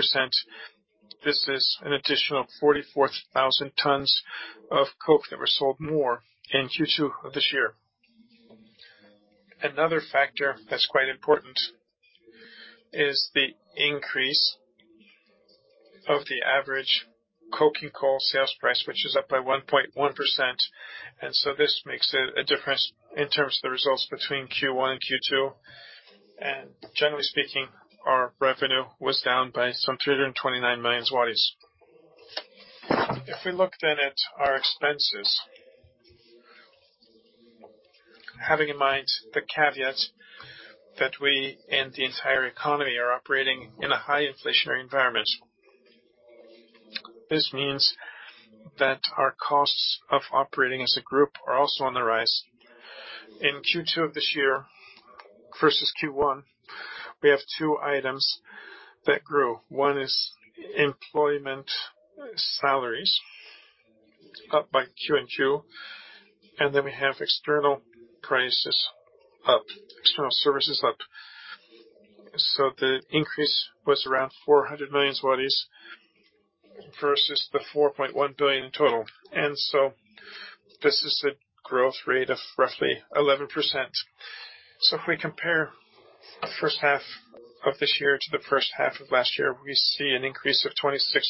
[SPEAKER 4] This is an additional 44,000 tons of coke that were sold more in Q2 of this year. Another factor that's quite important is the increase of the average coke and coal sales price, which is up by 1.1%, and so this makes a, a difference in terms of the results between Q1 and Q2. And generally speaking, our revenue was down by some 329 million zlotys. If we look then at our expenses, having in mind the caveat that we and the entire economy are operating in a high inflationary environment, this means that our costs of operating as a group are also on the rise. In Q2 of this year versus Q1, we have two items that grew. One is employment salaries, up by Q-on-Q, and then we have external prices up, external services up. So the increase was around 400 million zlotys versus the 4.1 billion in total, and so this is a growth rate of roughly 11%. So if we compare the first half of this year to the first half of last year, we see an increase of 26%,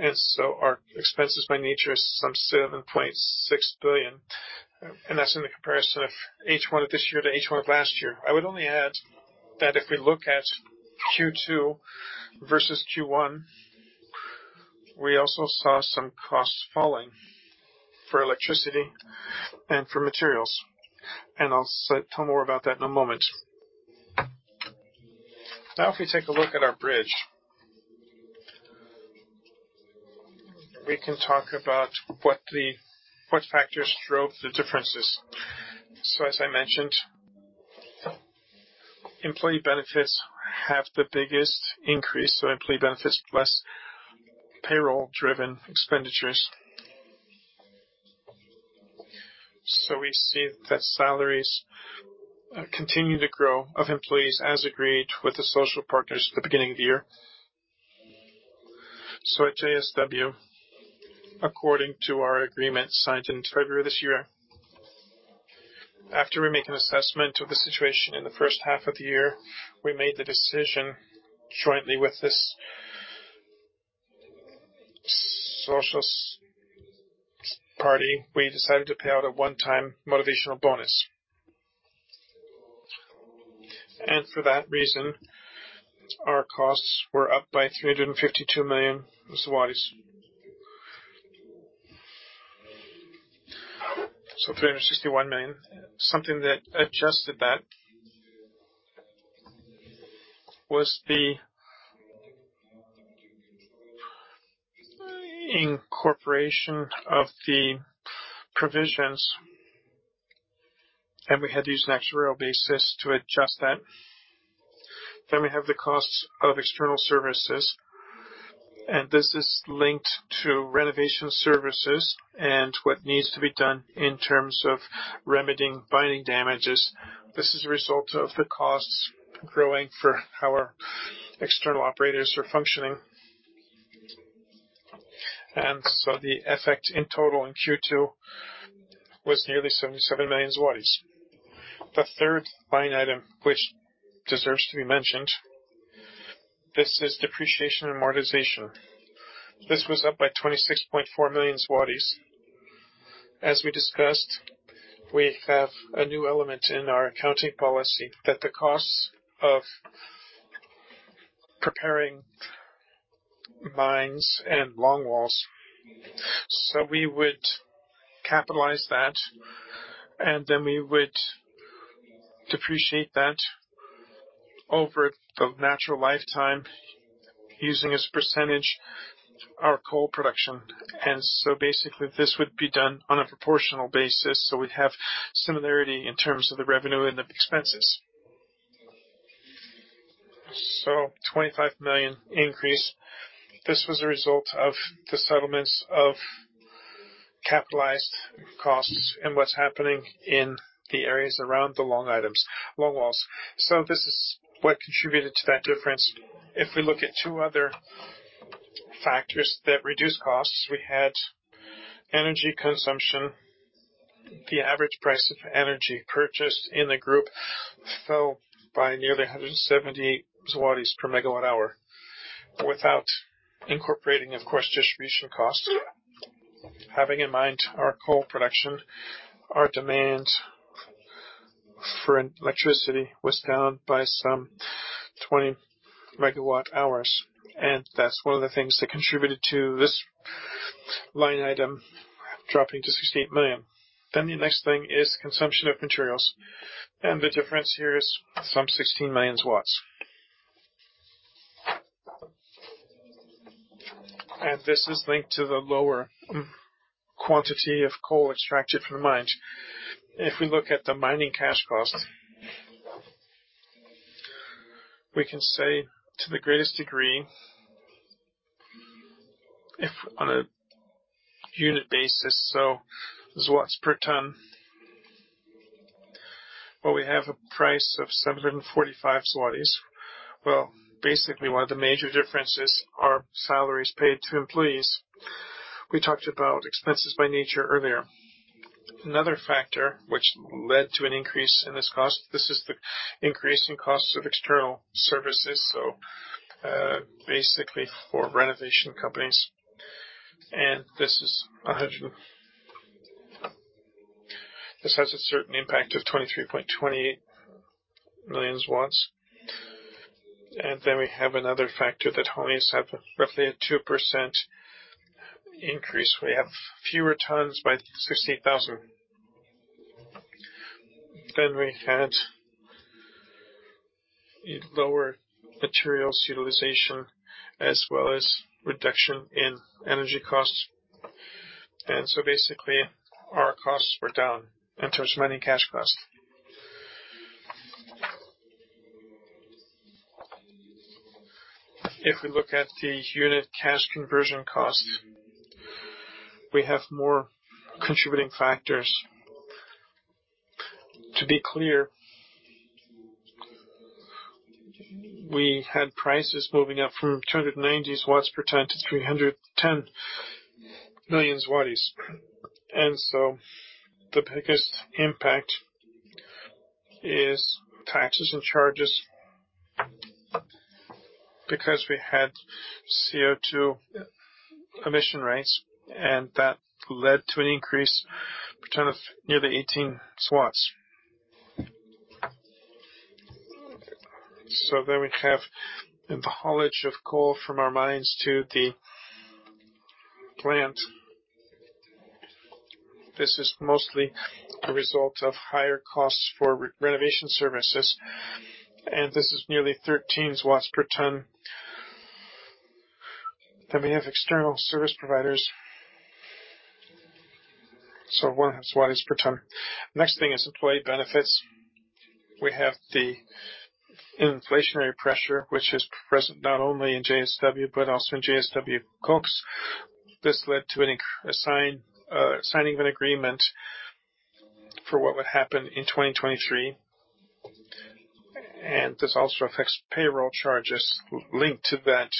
[SPEAKER 4] and so our expenses by nature is some 7.6 billion, and that's in the comparison of H1 of this year to H1 of last year. I would only add that if we look at Q2 versus Q1, we also saw some costs falling for electricity and for materials, and I'll tell more about that in a moment. Now, if we take a look at our bridge, we can talk about what factors drove the differences. So as I mentioned, employee benefits have the biggest increase, so employee benefits, plus payroll-driven expenditures. So we see that salaries continue to grow of employees, as agreed with the social partners at the beginning of the year. So at JSW, according to our agreement signed in February this year, after we make an assessment of the situation in the first half of the year, we made the decision jointly with this social party, we decided to pay out a one-time motivational bonus. And for that reason, our costs were up by 352 million. So 361 million. Something that adjusted that was the incorporation of the provisions, and we had to use an actuarial basis to adjust that. Then we have the costs of external services, and this is linked to renovation services and what needs to be done in terms of remedying mining damages. This is a result of the costs growing for how our external operators are functioning. And so the effect in total in Q2 was nearly 77 million zlotys. The third line item, which deserves to be mentioned, this is depreciation and amortization. This was up by 26.4 million zlotys. As we discussed, we have a new element in our accounting policy that the costs of preparing mines and longwalls, so we would capitalize that, and then we would depreciate that over the natural lifetime, using as percentage our coal production. So basically, this would be done on a proportional basis, so we'd have similarity in terms of the revenue and the expenses. So 25 million increase. This was a result of the settlements of capitalized costs and what's happening in the areas around the long items, longwalls. So this is what contributed to that difference. If we look at two other factors that reduce costs, we had energy consumption. The average price of energy purchased in the group fell by nearly 170 zlotys per MWh, without incorporating, of course, distribution costs. Having in mind our coal production, our demand for electricity was down by some 20 MWh, and that's one of the things that contributed to this line item, dropping to 16 million. Then the next thing is consumption of materials, and the difference here is some 16 million watts. And this is linked to the lower quantity of coal extracted from the mines. If we look at the mining cash cost, we can say to the greatest degree, if on a unit basis, so PLN per ton, well, we have a price of 745 zlotys. Well, basically, one of the major differences are salaries paid to employees. We talked about expenses by nature earlier. Another factor which led to an increase in this cost, this is the increase in costs of external services, so, basically for renovation companies, and this is a hundred. This has a certain impact of 23.28 million. Then we have another factor that only has had roughly a 2% increase. We have fewer tons by 68,000. Then we had lower materials utilization, as well as reduction in energy costs. And so basically, our costs were down in terms of mining cash costs. If we look at the unit cash conversion cost, we have more contributing factors. To be clear, we had prices moving up from 290 per ton to 310 million. And so the biggest impact is taxes and charges, because we had CO2 emission rates, and that led to an increase per ton of nearly 18. So then we have the haulage of coal from our mines to the plant. This is mostly a result of higher costs for renovation services, and this is nearly 13 per ton. Then we have external service providers, so 1 per ton. Next thing is employee benefits. We have the inflationary pressure, which is present not only in JSW but also in JSW Cokes. This led to a signing of an agreement for what would happen in 2023, and this also affects payroll charges linked to that.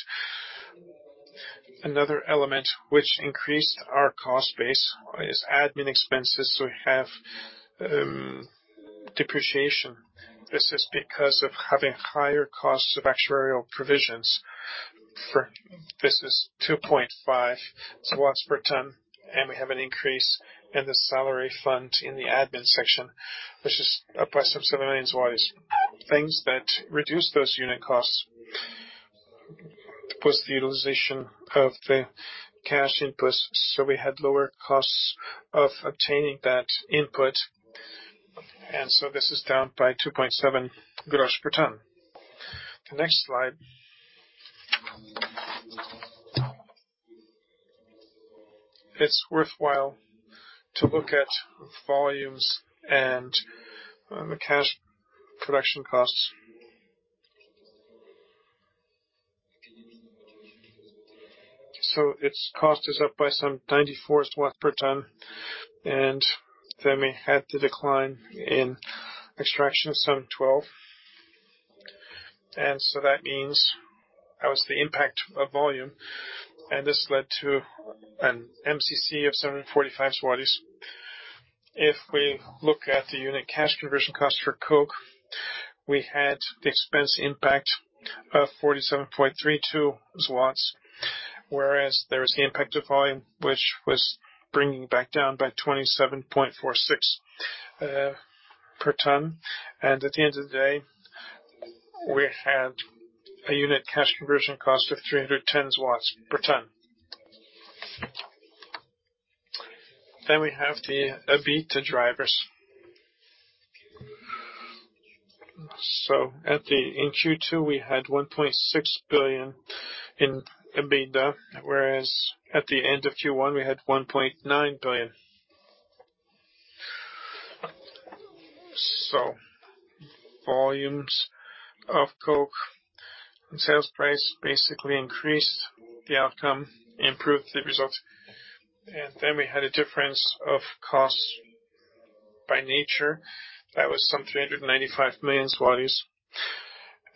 [SPEAKER 4] Another element which increased our cost base is admin expenses. We have depreciation. This is because of having higher costs of actuarial provisions for, this is 2.5 per ton, and we have an increase in the salary fund in the admin section, which is up by some PLN 7 million. Things that reduce those unit costs was the utilization of the cash inputs. So we had lower costs of obtaining that input, and so this is down by 2.7 per ton. The next slide. It's worthwhile to look at volumes and the cash production costs. So its cost is up by some 94 per ton, and then we had the decline in extraction of some 12. And so that means that was the impact of volume, and this led to an MCC of 745 zlotys. If we look at the unit cash conversion cost for coke, we had the expense impact of 47.32, whereas there is the impact of volume, which was bringing back down by 27.46 per ton. And at the end of the day, we had a unit cash conversion cost of 310 per ton. Then we have the EBITDA drivers. So in Q2, we had 1.6 billion in EBITDA, whereas at the end of Q1, we had 1.9 billion. So volumes of coke and sales price basically increased the outcome, improved the results, and then we had a difference of costs by nature, that was some 395 million zlotys.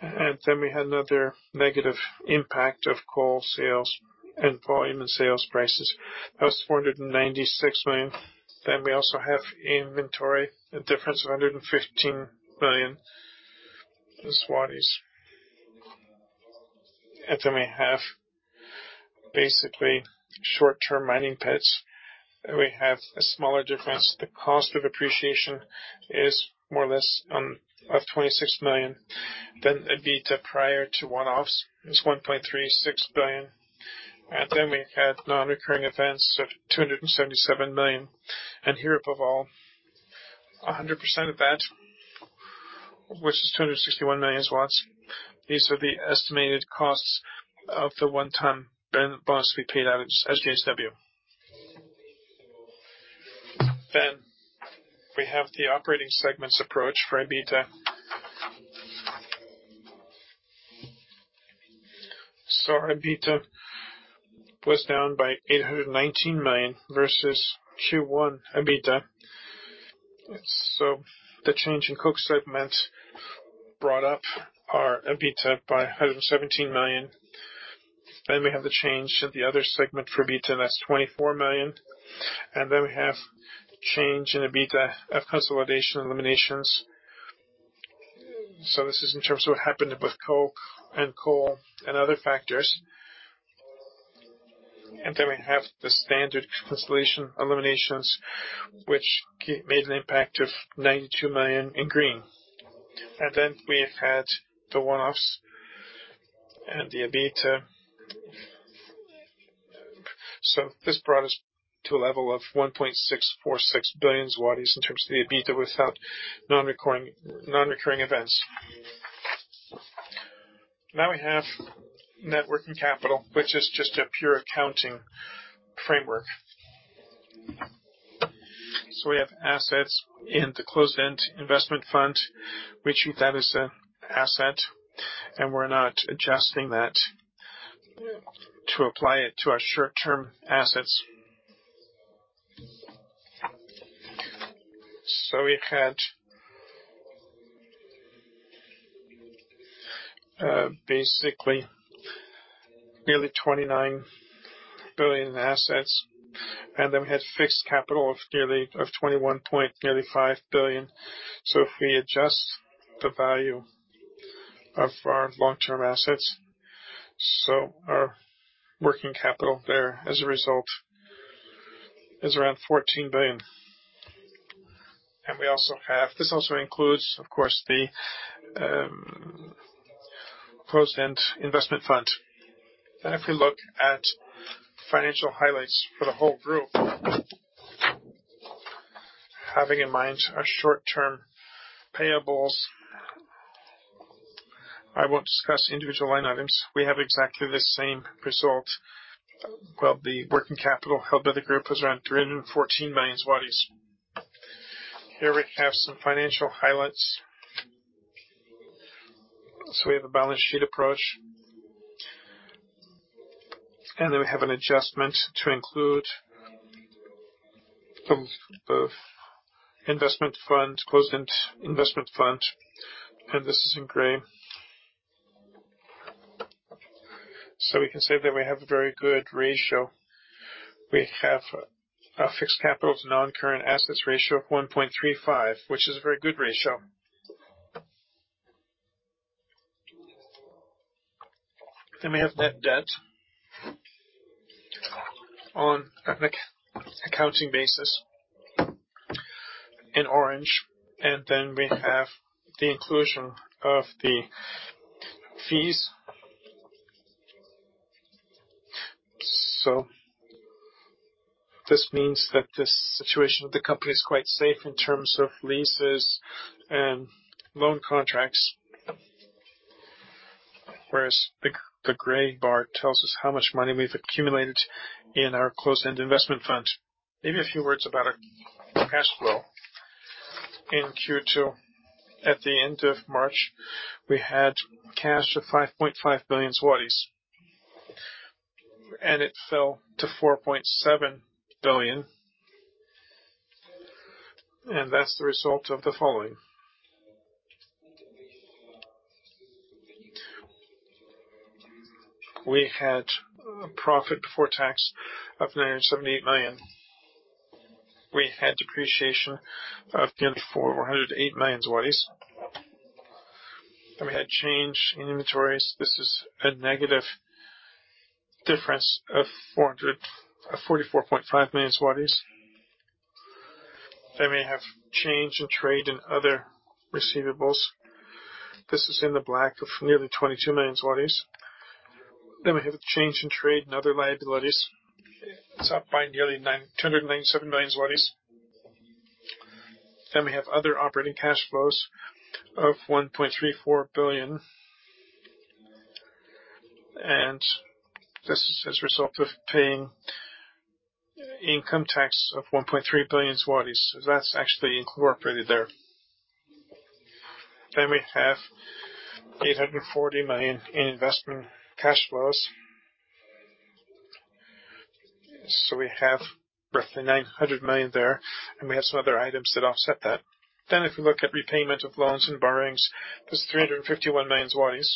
[SPEAKER 4] And then we had another negative impact of coal sales and volume and sales prices. That was 496 million. Then we also have inventory, a difference of 115 million zlotys. And then we have basically short-term mining pits, and we have a smaller difference. The cost of depreciation is more or less of 26 million. EBITDA prior to one-offs is 1.36 billion, and then we had non-recurring events of 277 million, and here, above all, 100% of that, which is 261 million. These are the estimated costs of the one-time bonus to be paid out as JSW. Then we have the operating segments approach for EBITDA. So our EBITDA was down by 819 million versus Q1 EBITDA. So the change in coke segment brought up our EBITDA by 117 million. Then we have the change in the other segment for EBITDA, that's 24 million. And then we have change in EBITDA of consolidation eliminations. So this is in terms of what happened with coke and coal and other factors. And then we have the standard consolidation eliminations, which made an impact of 92 million in green. And then we had the one-offs and the EBITDA. So this brought us to a level of 1.646 billion zlotys in terms of the EBITDA without non-recurring, non-recurring events. Now we have net working capital, which is just a pure accounting framework. So we have assets in the closed-end investment fund, which that is an asset, and we're not adjusting that to apply it to our short-term assets. So we had, basically, nearly 29 billion in assets, and then we had fixed capital of nearly 21.5 billion. So if we adjust the value of our long-term assets, so our working capital there as a result, is around 14 billion. And we also have this also includes, of course, the closed-end investment fund. If we look at financial highlights for the whole group, having in mind our short-term payables. I won't discuss individual line items. We have exactly the same result. Well, the working capital held by the group was around 314 million zlotys. Here we have some financial highlights. So we have a balance sheet approach, and then we have an adjustment to include of investment fund, closed-end investment fund, and this is in gray. So we can say that we have a very good ratio. We have a fixed capital to non-current assets ratio of 1.35, which is a very good ratio. Then we have net debt on entity accounting basis in orange, and then we have the inclusion of the fees. So this means that the situation of the company is quite safe in terms of leases and loan contracts. Whereas the gray bar tells us how much money we've accumulated in our closed-end investment fund. Maybe a few words about our cash flow. In Q2, at the end of March, we had cash of 5.5 billion zlotys, and it fell to 4.7 billion, and that's the result of the following. We had a profit before tax of 978 million. We had depreciation of nearly PLN 408 million, and we had change in inventories. This is a negative difference of PLN 444.5 million. Then we have change in trade and other receivables. This is in the black of nearly 22 million. Then we have a change in trade and other liabilities. It's up by nearly 297 million. Then we have other operating cash flows of 1.34 billion, and this is as a result of paying income tax of 1.3 billion zlotys. So that's actually incorporated there. Then we have 840 million in investment cash flows. So we have roughly 900 million there, and we have some other items that offset that. Then if we look at repayment of loans and borrowings, there's 351 million zlotys.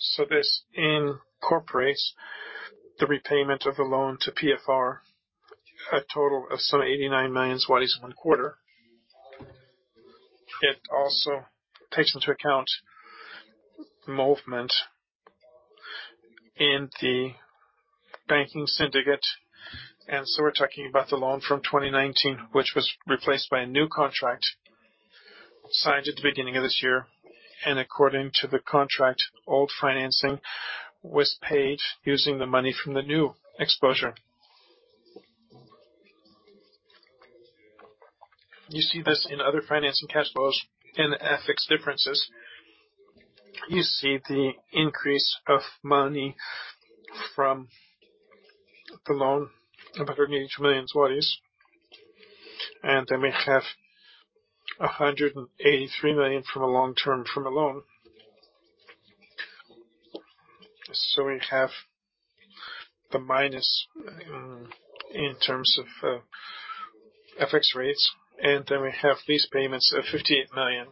[SPEAKER 4] So this incorporates the repayment of the loan to PFR, a total of some 89 million one quarter. It also takes into account movement in the banking syndicate, and so we're talking about the loan from 2019, which was replaced by a new contract signed at the beginning of this year. And according to the contract, old financing was paid using the money from the new exposure. You see this in other financing cash flows and FX differences. You see the increase of money from the loan of 182 million zlotys, and then we have 183 million from a long term, from a loan. So we have the minus, in terms of, FX rates, and then we have these payments of 58 million.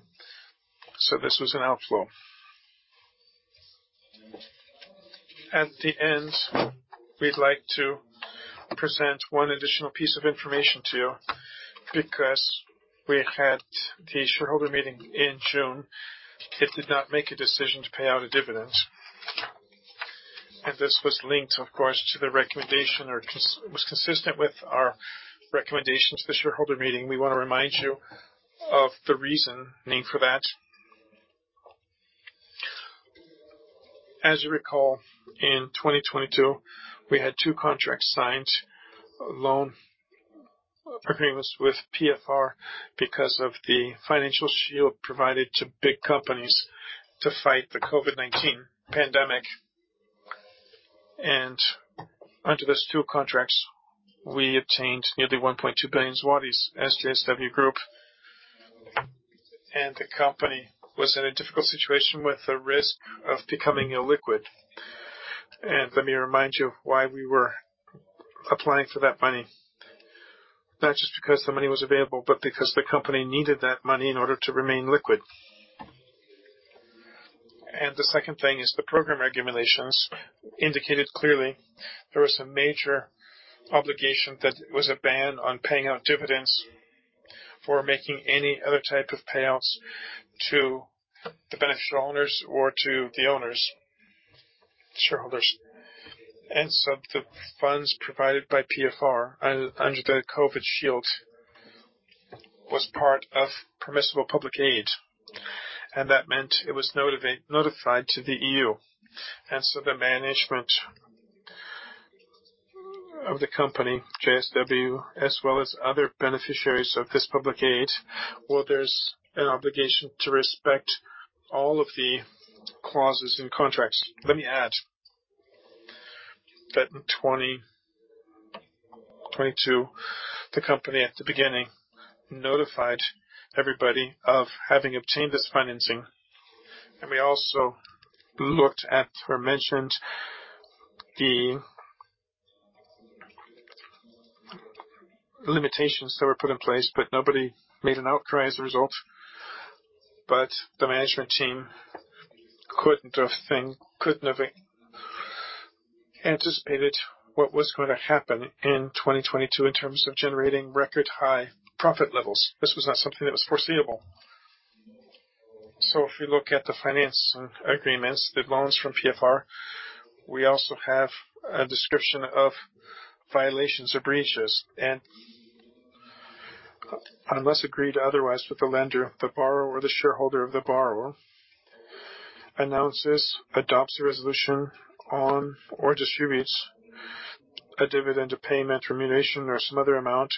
[SPEAKER 4] So this was an outflow. At the end, we'd like to present one additional piece of information to you, because we had the shareholder meeting in June. It did not make a decision to pay out a dividend, and this was linked, of course, to the recommendation - was consistent with our recommendations to the shareholder meeting. We want to remind you of the reason, name for that. As you recall, in 2022, we had two contracts signed, loan agreements with PFR because of the Financial Shield provided to big companies to fight the COVID-19 pandemic. Under those two contracts, we obtained nearly 1.2 billion zlotys as JSW Group, and the company was in a difficult situation with a risk of becoming illiquid. Let me remind you of why we were applying for that money. Not just because the money was available, but because the company needed that money in order to remain liquid. The second thing is the program regulations indicated clearly there was a major obligation that was a ban on paying out dividends for making any other type of payouts to the beneficial owners or to the owners, shareholders. And so the funds provided by PFR under the COVID Shield was part of permissible public aid, and that meant it was notified to the EU. And so the management of the company, JSW, as well as other beneficiaries of this public aid, well, there's an obligation to respect all of the clauses and contracts. Let me add, that in 2022, the company at the beginning notified everybody of having obtained this financing, and we also looked at or mentioned the limitations that were put in place, but nobody made an outcry as a result. But the management team couldn't have anticipated what was going to happen in 2022 in terms of generating record high profit levels. This was not something that was foreseeable. So if you look at the finance agreements, the loans from PFR, we also have a description of violations or breaches, and unless agreed otherwise with the lender, the borrower or the shareholder of the borrower, announces, adopts a resolution on or distributes a dividend, a payment, remuneration, or some other amount,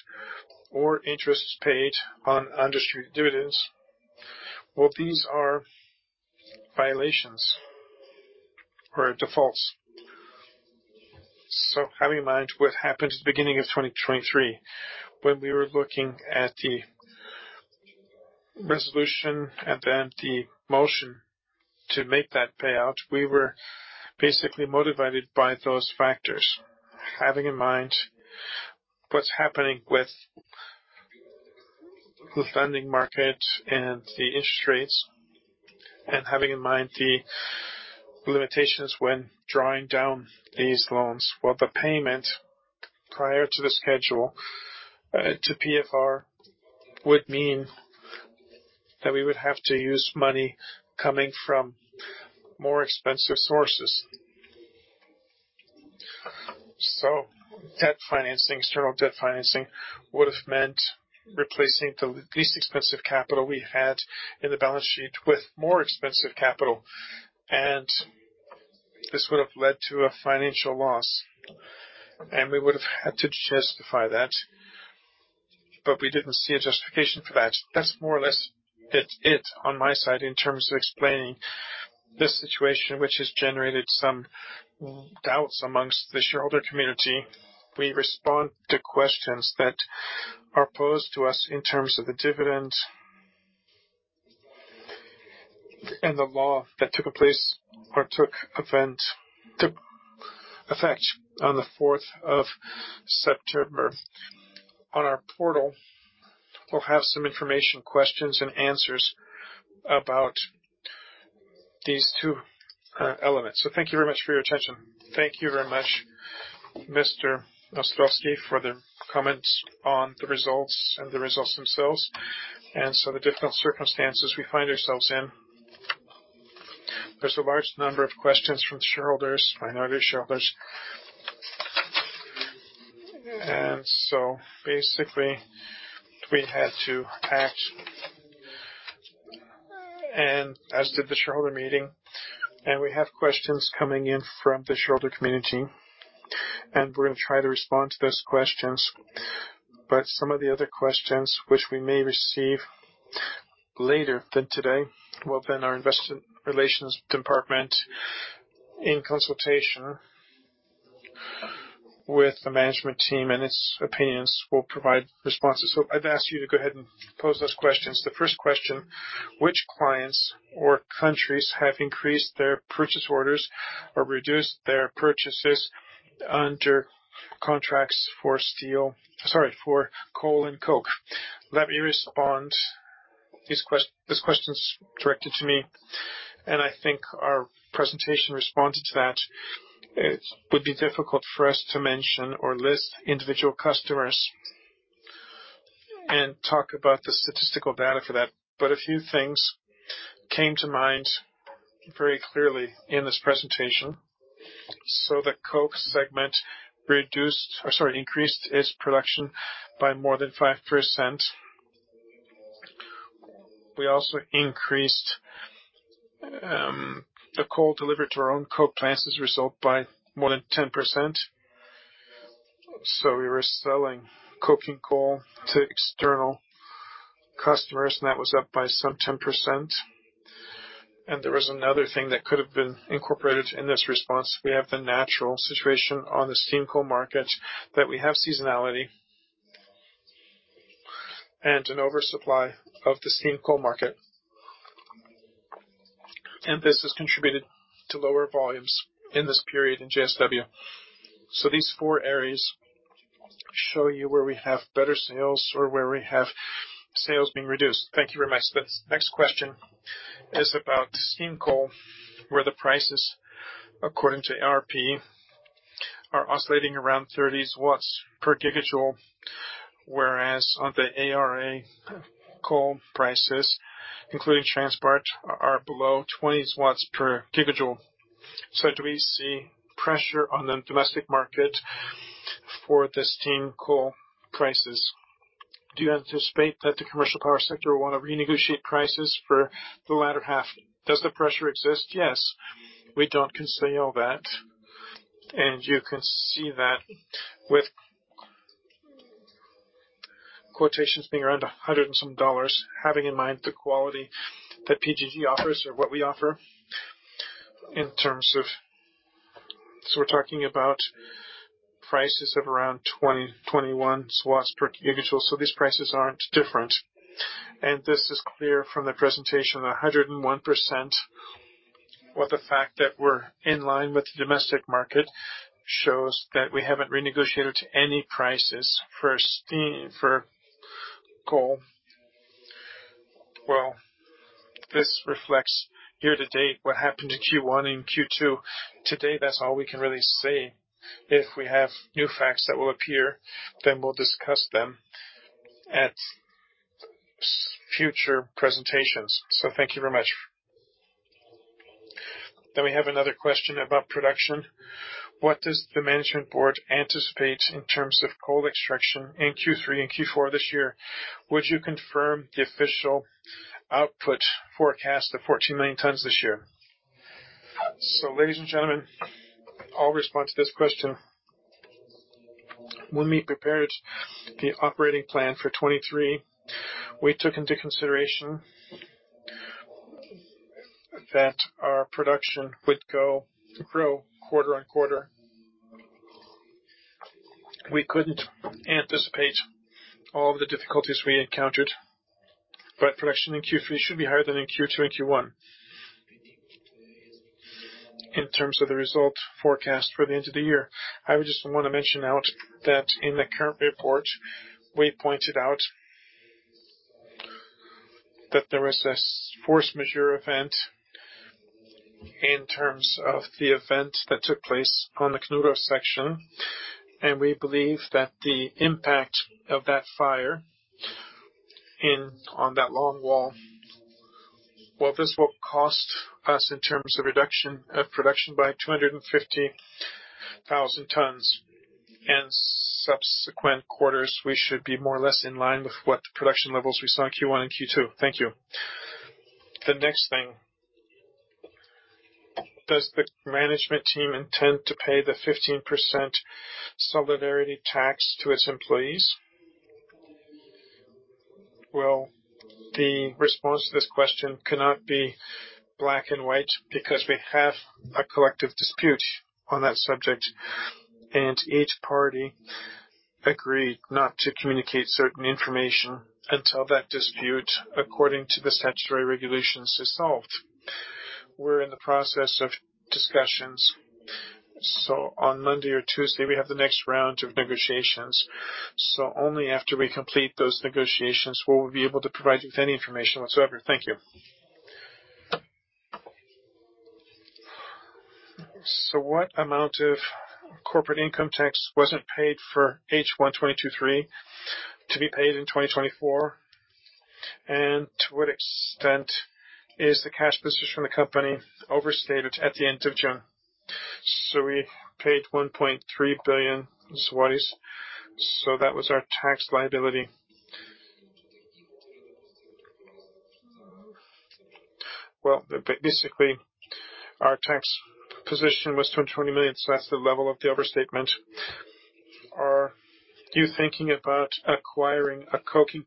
[SPEAKER 4] or interest is paid on undistributed dividends. Well, these are violations or defaults. So having in mind what happened at the beginning of 2023, when we were looking at the resolution and then the motion to make that payout, we were basically motivated by those factors. Having in mind what's happening with the funding market and the interest rates, and having in mind the limitations when drawing down these loans, well, the payment prior to the schedule to PFR would mean that we would have to use money coming from more expensive sources. So debt financing, external debt financing, would have meant replacing the least expensive capital we had in the balance sheet with more expensive capital, and this would have led to a financial loss, and we would have had to justify that, but we didn't see a justification for that. That's more or less it, on my side, in terms of explaining this situation, which has generated some doubts amongst the shareholder community. We respond to questions that are posed to us in terms of the dividends and the law that took effect on the 4th of September. On our portal, we'll have some information, questions and answers, about these two elements. So thank you very much for your attention.
[SPEAKER 1] Thank you very much, Mr. Ostrowski, for the comments on the results and the results themselves, and so the difficult circumstances we find ourselves in. There's a large number of questions from shareholders, minority shareholders, and so basically, we had to act, and as did the shareholder meeting, and we have questions coming in from the shareholder community, and we're going to try to respond to those questions. But some of the other questions which we may receive later than today, will then our investor relations department, in consultation with the management team and its opinions, will provide responses. So I'd ask you to go ahead and pose those questions.
[SPEAKER 5] The first question: Which clients or countries have increased their purchase orders or reduced their purchases under contracts for steel? Sorry, for coal and coke.
[SPEAKER 3] Let me respond. This question is directed to me, and I think our presentation responded to that. It would be difficult for us to mention or list individual customers and talk about the statistical data for that, but a few things came to mind very clearly in this presentation. So the coke segment reduced, or sorry, increased its production by more than 5%. We also increased the coal delivered to our own coke plants as a result by more than 10%. So we were selling coking coal to external customers, and that was up by some 10%. And there was another thing that could have been incorporated in this response. We have the natural situation on the steam coal market, that we have seasonality and an oversupply of the steam coal market, and this has contributed to lower volumes in this period in JSW. So these four areas show you where we have better sales or where we have sales being reduced.
[SPEAKER 5] Thank you very much. The next question is about steam coal, where the prices, according to ARP, are oscillating around 30 per gigajoule, whereas on the ARA, coal prices, including transport, are below 20 per gigajoule. So do we see pressure on the domestic market for the steam coal prices? Do you anticipate that the commercial power sector will want to renegotiate prices for the latter half?
[SPEAKER 3] Does the pressure exist? Yes, we don't conceal that. And you can see that with quotations being around $100 and some dollars, having in mind the quality that PGG offers or what we offer, in terms of. So we're talking about prices of around 20, 21 per gigajoule. So these prices aren't different. This is clear from the presentation, 101%, or the fact that we're in line with the domestic market, shows that we haven't renegotiated any prices for steam, for coal. Well, this reflects year-to-date, what happened in Q1 and Q2. Today, that's all we can really say. If we have new facts that will appear, then we'll discuss them at future presentations. So thank you very much.
[SPEAKER 5] Then we have another question about production. What does the management board anticipate in terms of coal extraction in Q3 and Q4 this year? Would you confirm the official output forecast of 14 million tons this year?
[SPEAKER 2] So ladies and gentlemen, I'll respond to this question. When we prepared the operating plan for 2023, we took into consideration that our production would grow quarter-on-quarter. We couldn't anticipate all of the difficulties we encountered, but production in Q3 should be higher than in Q2 and Q1. In terms of the result forecast for the end of the year, I just want to mention that in the current report, we pointed out that there was a force majeure event in terms of the event that took place on the Knurów-Szczygłowice, and we believe that the impact of that fire in, on that longwall, well, this will cost us in terms of reduction, production by 250,000 tons. In subsequent quarters, we should be more or less in line with what production levels we saw in Q1 and Q2. Thank you.
[SPEAKER 5] The next thing: Does the management team intend to pay the 15% solidarity tax to its employees?
[SPEAKER 1] Well, the response to this question cannot be black and white because we have a collective dispute on that subject, and each party agreed not to communicate certain information until that dispute, according to the statutory regulations, is solved. We're in the process of discussions, so on Monday or Tuesday, we have the next round of negotiations. So only after we complete those negotiations, we will be able to provide you with any information whatsoever. Thank you.
[SPEAKER 5] So what amount of corporate income tax wasn't paid for H1 2023, to be paid in 2024? And to what extent is the cash position from the company overstated at the end of June?
[SPEAKER 4] So we paid 1.3 billion zlotys, so that was our tax liability. Well, basically, our tax position was 20 million. So that's the level of the overstatement.
[SPEAKER 5] Are you thinking about acquiring a coking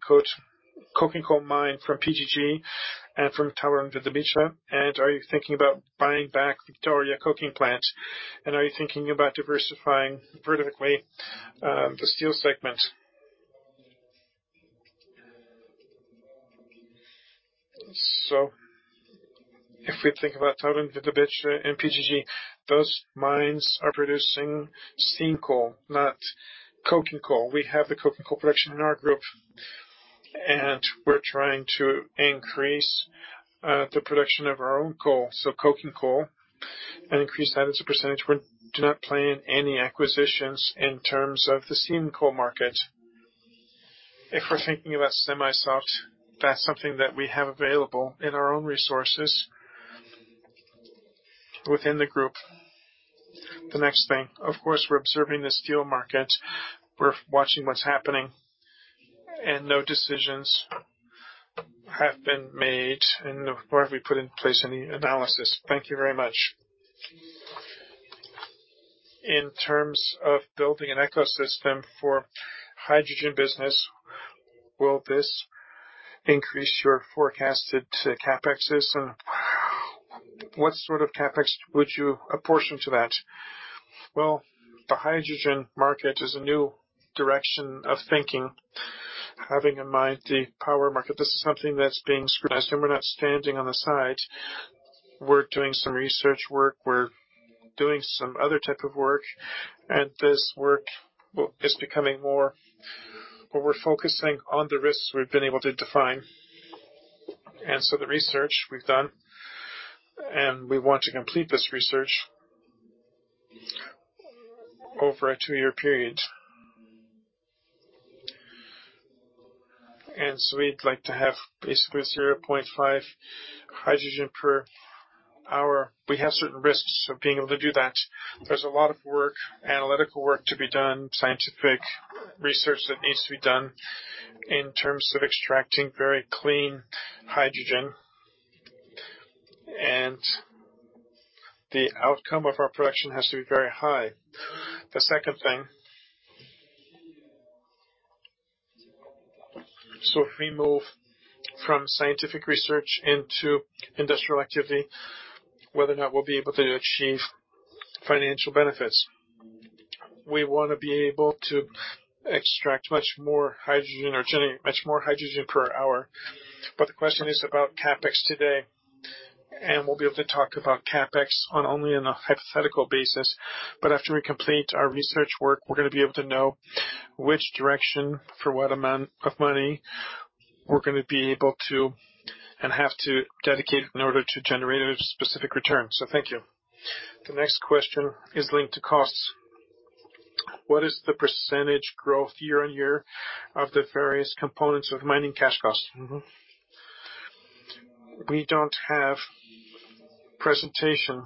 [SPEAKER 5] coal mine from PGG and from TAURON Wydobycie? And are you thinking about buying back the Victoria coking plant? And are you thinking about diversifying vertically, the steel segment?
[SPEAKER 1] So if we think about TAURON Wydobycie and PGG, those mines are producing steam coal, not coking coal. We have the coking coal production in our group, and we're trying to increase the production of our own coal. So coking coal, and increase that as a percentage. We do not plan any acquisitions in terms of the steam coal market. If we're thinking about semi-soft, that's something that we have available in our own resources within the group. The next thing, of course, we're observing the steel market. We're watching what's happening, and no decisions have been made, and nor have we put in place any analysis. Thank you very much.
[SPEAKER 5] In terms of building an ecosystem for hydrogen business, will this increase your forecasted CapExes? And what sort of CapEx would you apportion to that?
[SPEAKER 1] Well, the hydrogen market is a new direction of thinking. Having in mind the power market, this is something that's being scrutinized, and we're not standing on the side. We're doing some research work, we're doing some other type of work, and this work is becoming more. But we're focusing on the risks we've been able to define. And so the research we've done, and we want to complete this research over a two-year period. And so we'd like to have basically 0.5 hydrogen, we have certain risks of being able to do that. There's a lot of work, analytical work to be done, scientific research that needs to be done in terms of extracting very clean hydrogen, and the outcome of our production has to be very high. The second thing, so if we move from scientific research into industrial activity, whether or not we'll be able to achieve financial benefits. We want to be able to extract much more hydrogen or generate much more hydrogen per hour. But the question is about CapEx today, and we'll be able to talk about CapEx only on a hypothetical basis. But after we complete our research work, we're gonna be able to know which direction, for what amount of money we're gonna be able to and have to dedicate in order to generate a specific return. So thank you.
[SPEAKER 5] The next question is linked to costs. What is the percentage growth year-on-year of the various components of mining cash costs?
[SPEAKER 4] Mm-hmm. We don't have presentation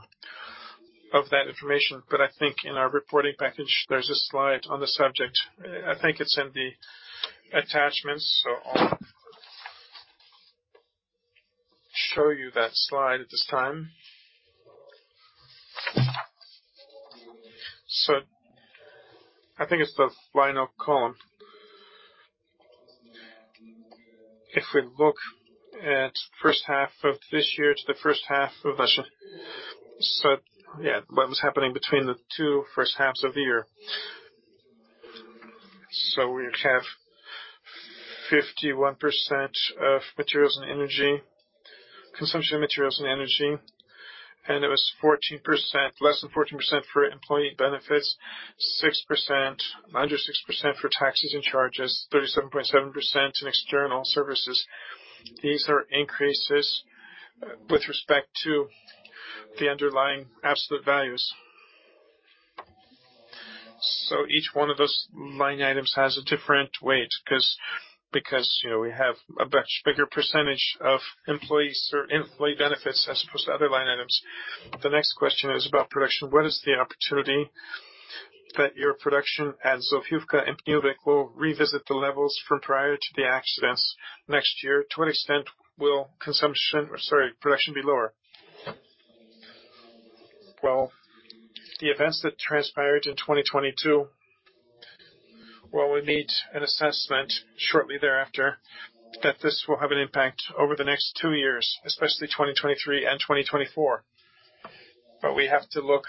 [SPEAKER 4] of that information, but I think in our reporting package, there's a slide on the subject. I think it's in the attachments, so I'll show you that slide at this time. So I think it's the final column. If we look at first half of this year to the first half of last year. So yeah, what was happening between the two first halves of the year? So we have 51% of materials and energy, consumption of materials and energy, and it was 14%—less than 14% for employee benefits, 6%, under 6% for taxes and charges, 37.7% in external services. These are increases with respect to the underlying absolute values. So each one of those line items has a different weight, 'cause, because, you know, we have a much bigger percentage of employees or employee benefits as opposed to other line items.
[SPEAKER 5] The next question is about production. What is the opportunity that your production at Zofiówka and Pniówek will revisit the levels from prior to the accidents next year? To what extent will consumption, or sorry, production be lower?
[SPEAKER 2] Well, the events that transpired in 2022, well, we need an assessment shortly thereafter that this will have an impact over the next two years, especially 2023 and 2024. But we have to look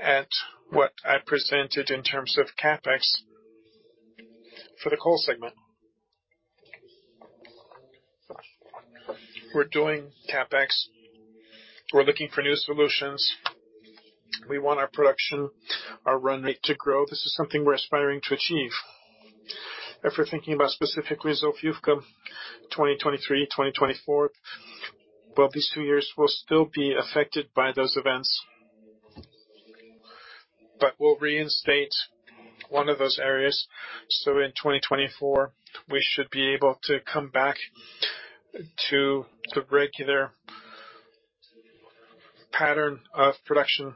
[SPEAKER 2] at what I presented in terms of CapEx for the coal segment. We're doing CapEx. We're looking for new solutions. We want our production, our run rate to grow. This is something we're aspiring to achieve. If we're thinking about specifically Zofiówka, 2023, 2024, well, these two years will still be affected by those events, but we'll reinstate one of those areas. So in 2024, we should be able to come back to regular pattern of production.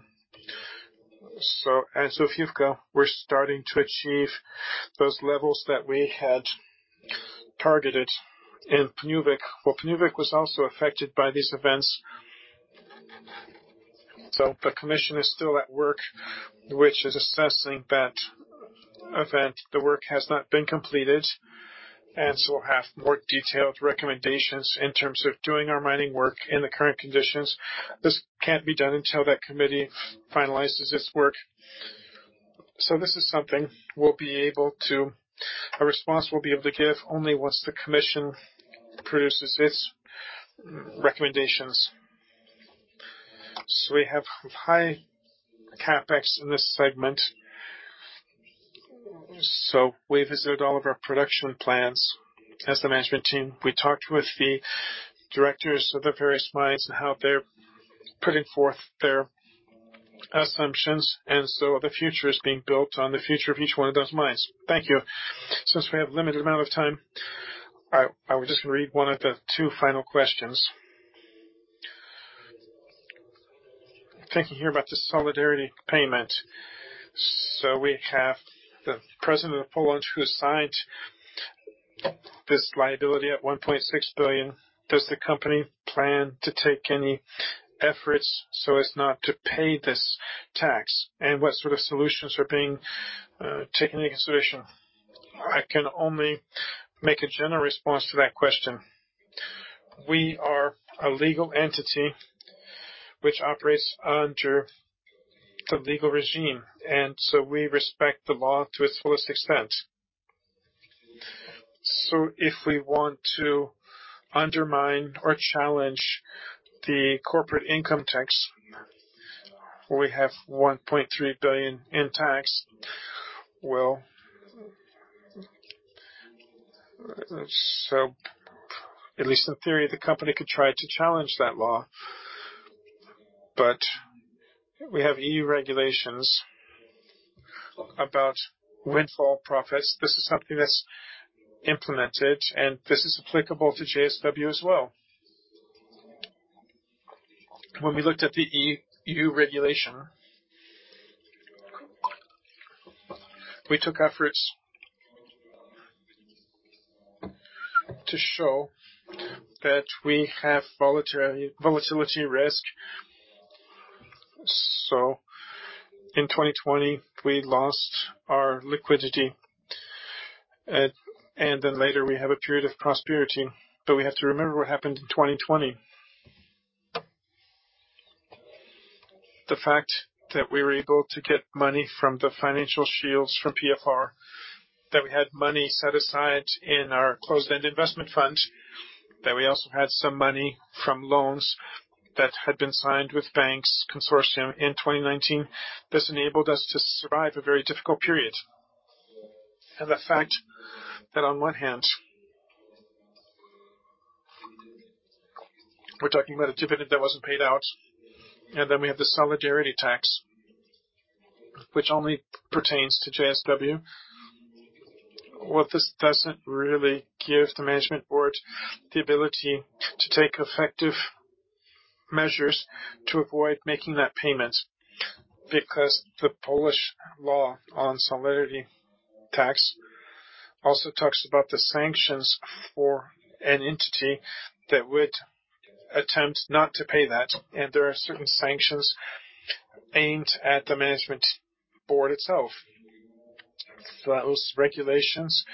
[SPEAKER 2] So at Zofiówka, we're starting to achieve those levels that we had targeted. In Pniówek, well, Pniówek was also affected by these events. So the commission is still at work, which is assessing that event. The work has not been completed, and so we'll have more detailed recommendations in terms of doing our mining work in the current conditions. This can't be done until that committee finalizes its work. So this is something, a response we'll be able to give only once the commission produces its recommendations. So we have high CapEx in this segment. So we visited all of our production plants as the management team. We talked with the directors of the various mines and how they're putting forth their assumptions, and so the future is being built on the future of each one of those mines. Thank you.
[SPEAKER 5] Since we have limited amount of time, I, I will just read one of the two final questions. Thinking here about the solidarity payment. So we have the President of Poland, who signed this liability at 1.6 billion. Does the company plan to take any efforts so as not to pay this tax? And what sort of solutions are being taken into consideration?
[SPEAKER 4] I can only make a general response to that question. We are a legal entity which operates under the legal regime, and so we respect the law to its fullest extent. So if we want to undermine or challenge the corporate income tax, we have 1.3 billion in tax. Well, so at least in theory, the company could try to challenge that law, but we have EU regulations about windfall profits. This is something that's implemented, and this is applicable to JSW as well. When we looked at the EU regulation, we took efforts to show that we have voluntary volatility risk. So in 2020, we lost our liquidity, and then later we have a period of prosperity. But we have to remember what happened in 2020. The fact that we were able to get money from the Financial Shields from PFR, that we had money set aside in our closed-end investment fund, that we also had some money from loans that had been signed with banks consortium in 2019. This enabled us to survive a very difficult period. The fact that on one hand, we're talking about a dividend that wasn't paid out, and then we have the solidarity tax, which only pertains to JSW. Well, this doesn't really give the management board the ability to take effective measures to avoid making that payment, because the Polish law on solidarity tax also talks about the sanctions for an entity that would attempt not to pay that, and there are certain sanctions aimed at the management board itself. Those regulations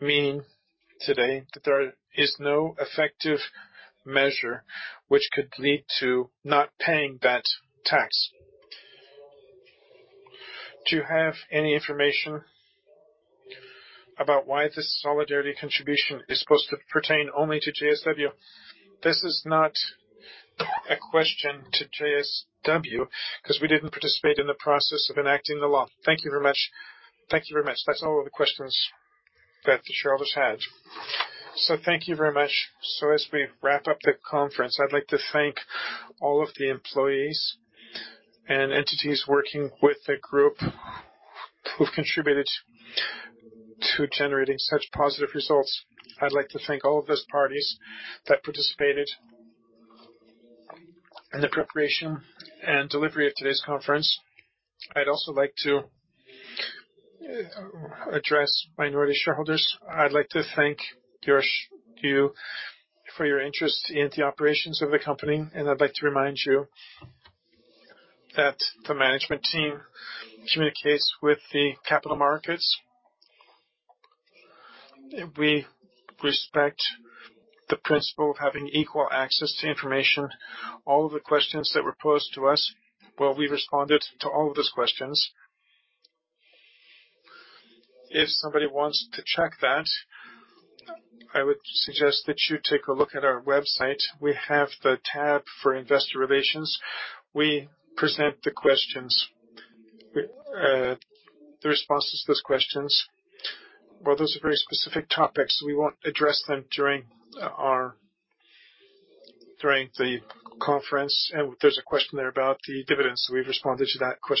[SPEAKER 4] mean today that there is no effective measure which could lead to not paying that tax.
[SPEAKER 5] Do you have any information about why this solidarity contribution is supposed to pertain only to JSW?
[SPEAKER 4] This is not a question to JSW, because we didn't participate in the process of enacting the law. Thank you very much.
[SPEAKER 5] Thank you very much. That's all the questions that the shareholders had.
[SPEAKER 1] So thank you very much. So as we wrap up the conference, I'd like to thank all of the employees and entities working with the group who've contributed to generating such positive results. I'd like to thank all of those parties that participated in the preparation and delivery of today's conference. I'd also like to address minority shareholders. I'd like to thank you for your interest in the operations of the company, and I'd like to remind you that the management team communicates with the capital markets. We respect the principle of having equal access to information. All of the questions that were posed to us, well, we responded to all of those questions. If somebody wants to check that, I would suggest that you take a look at our website. We have the tab for investor relations. We present the questions, the responses to those questions. Well, those are very specific topics. We won't address them during the conference, and there's a question there about the dividends. We've responded to that question.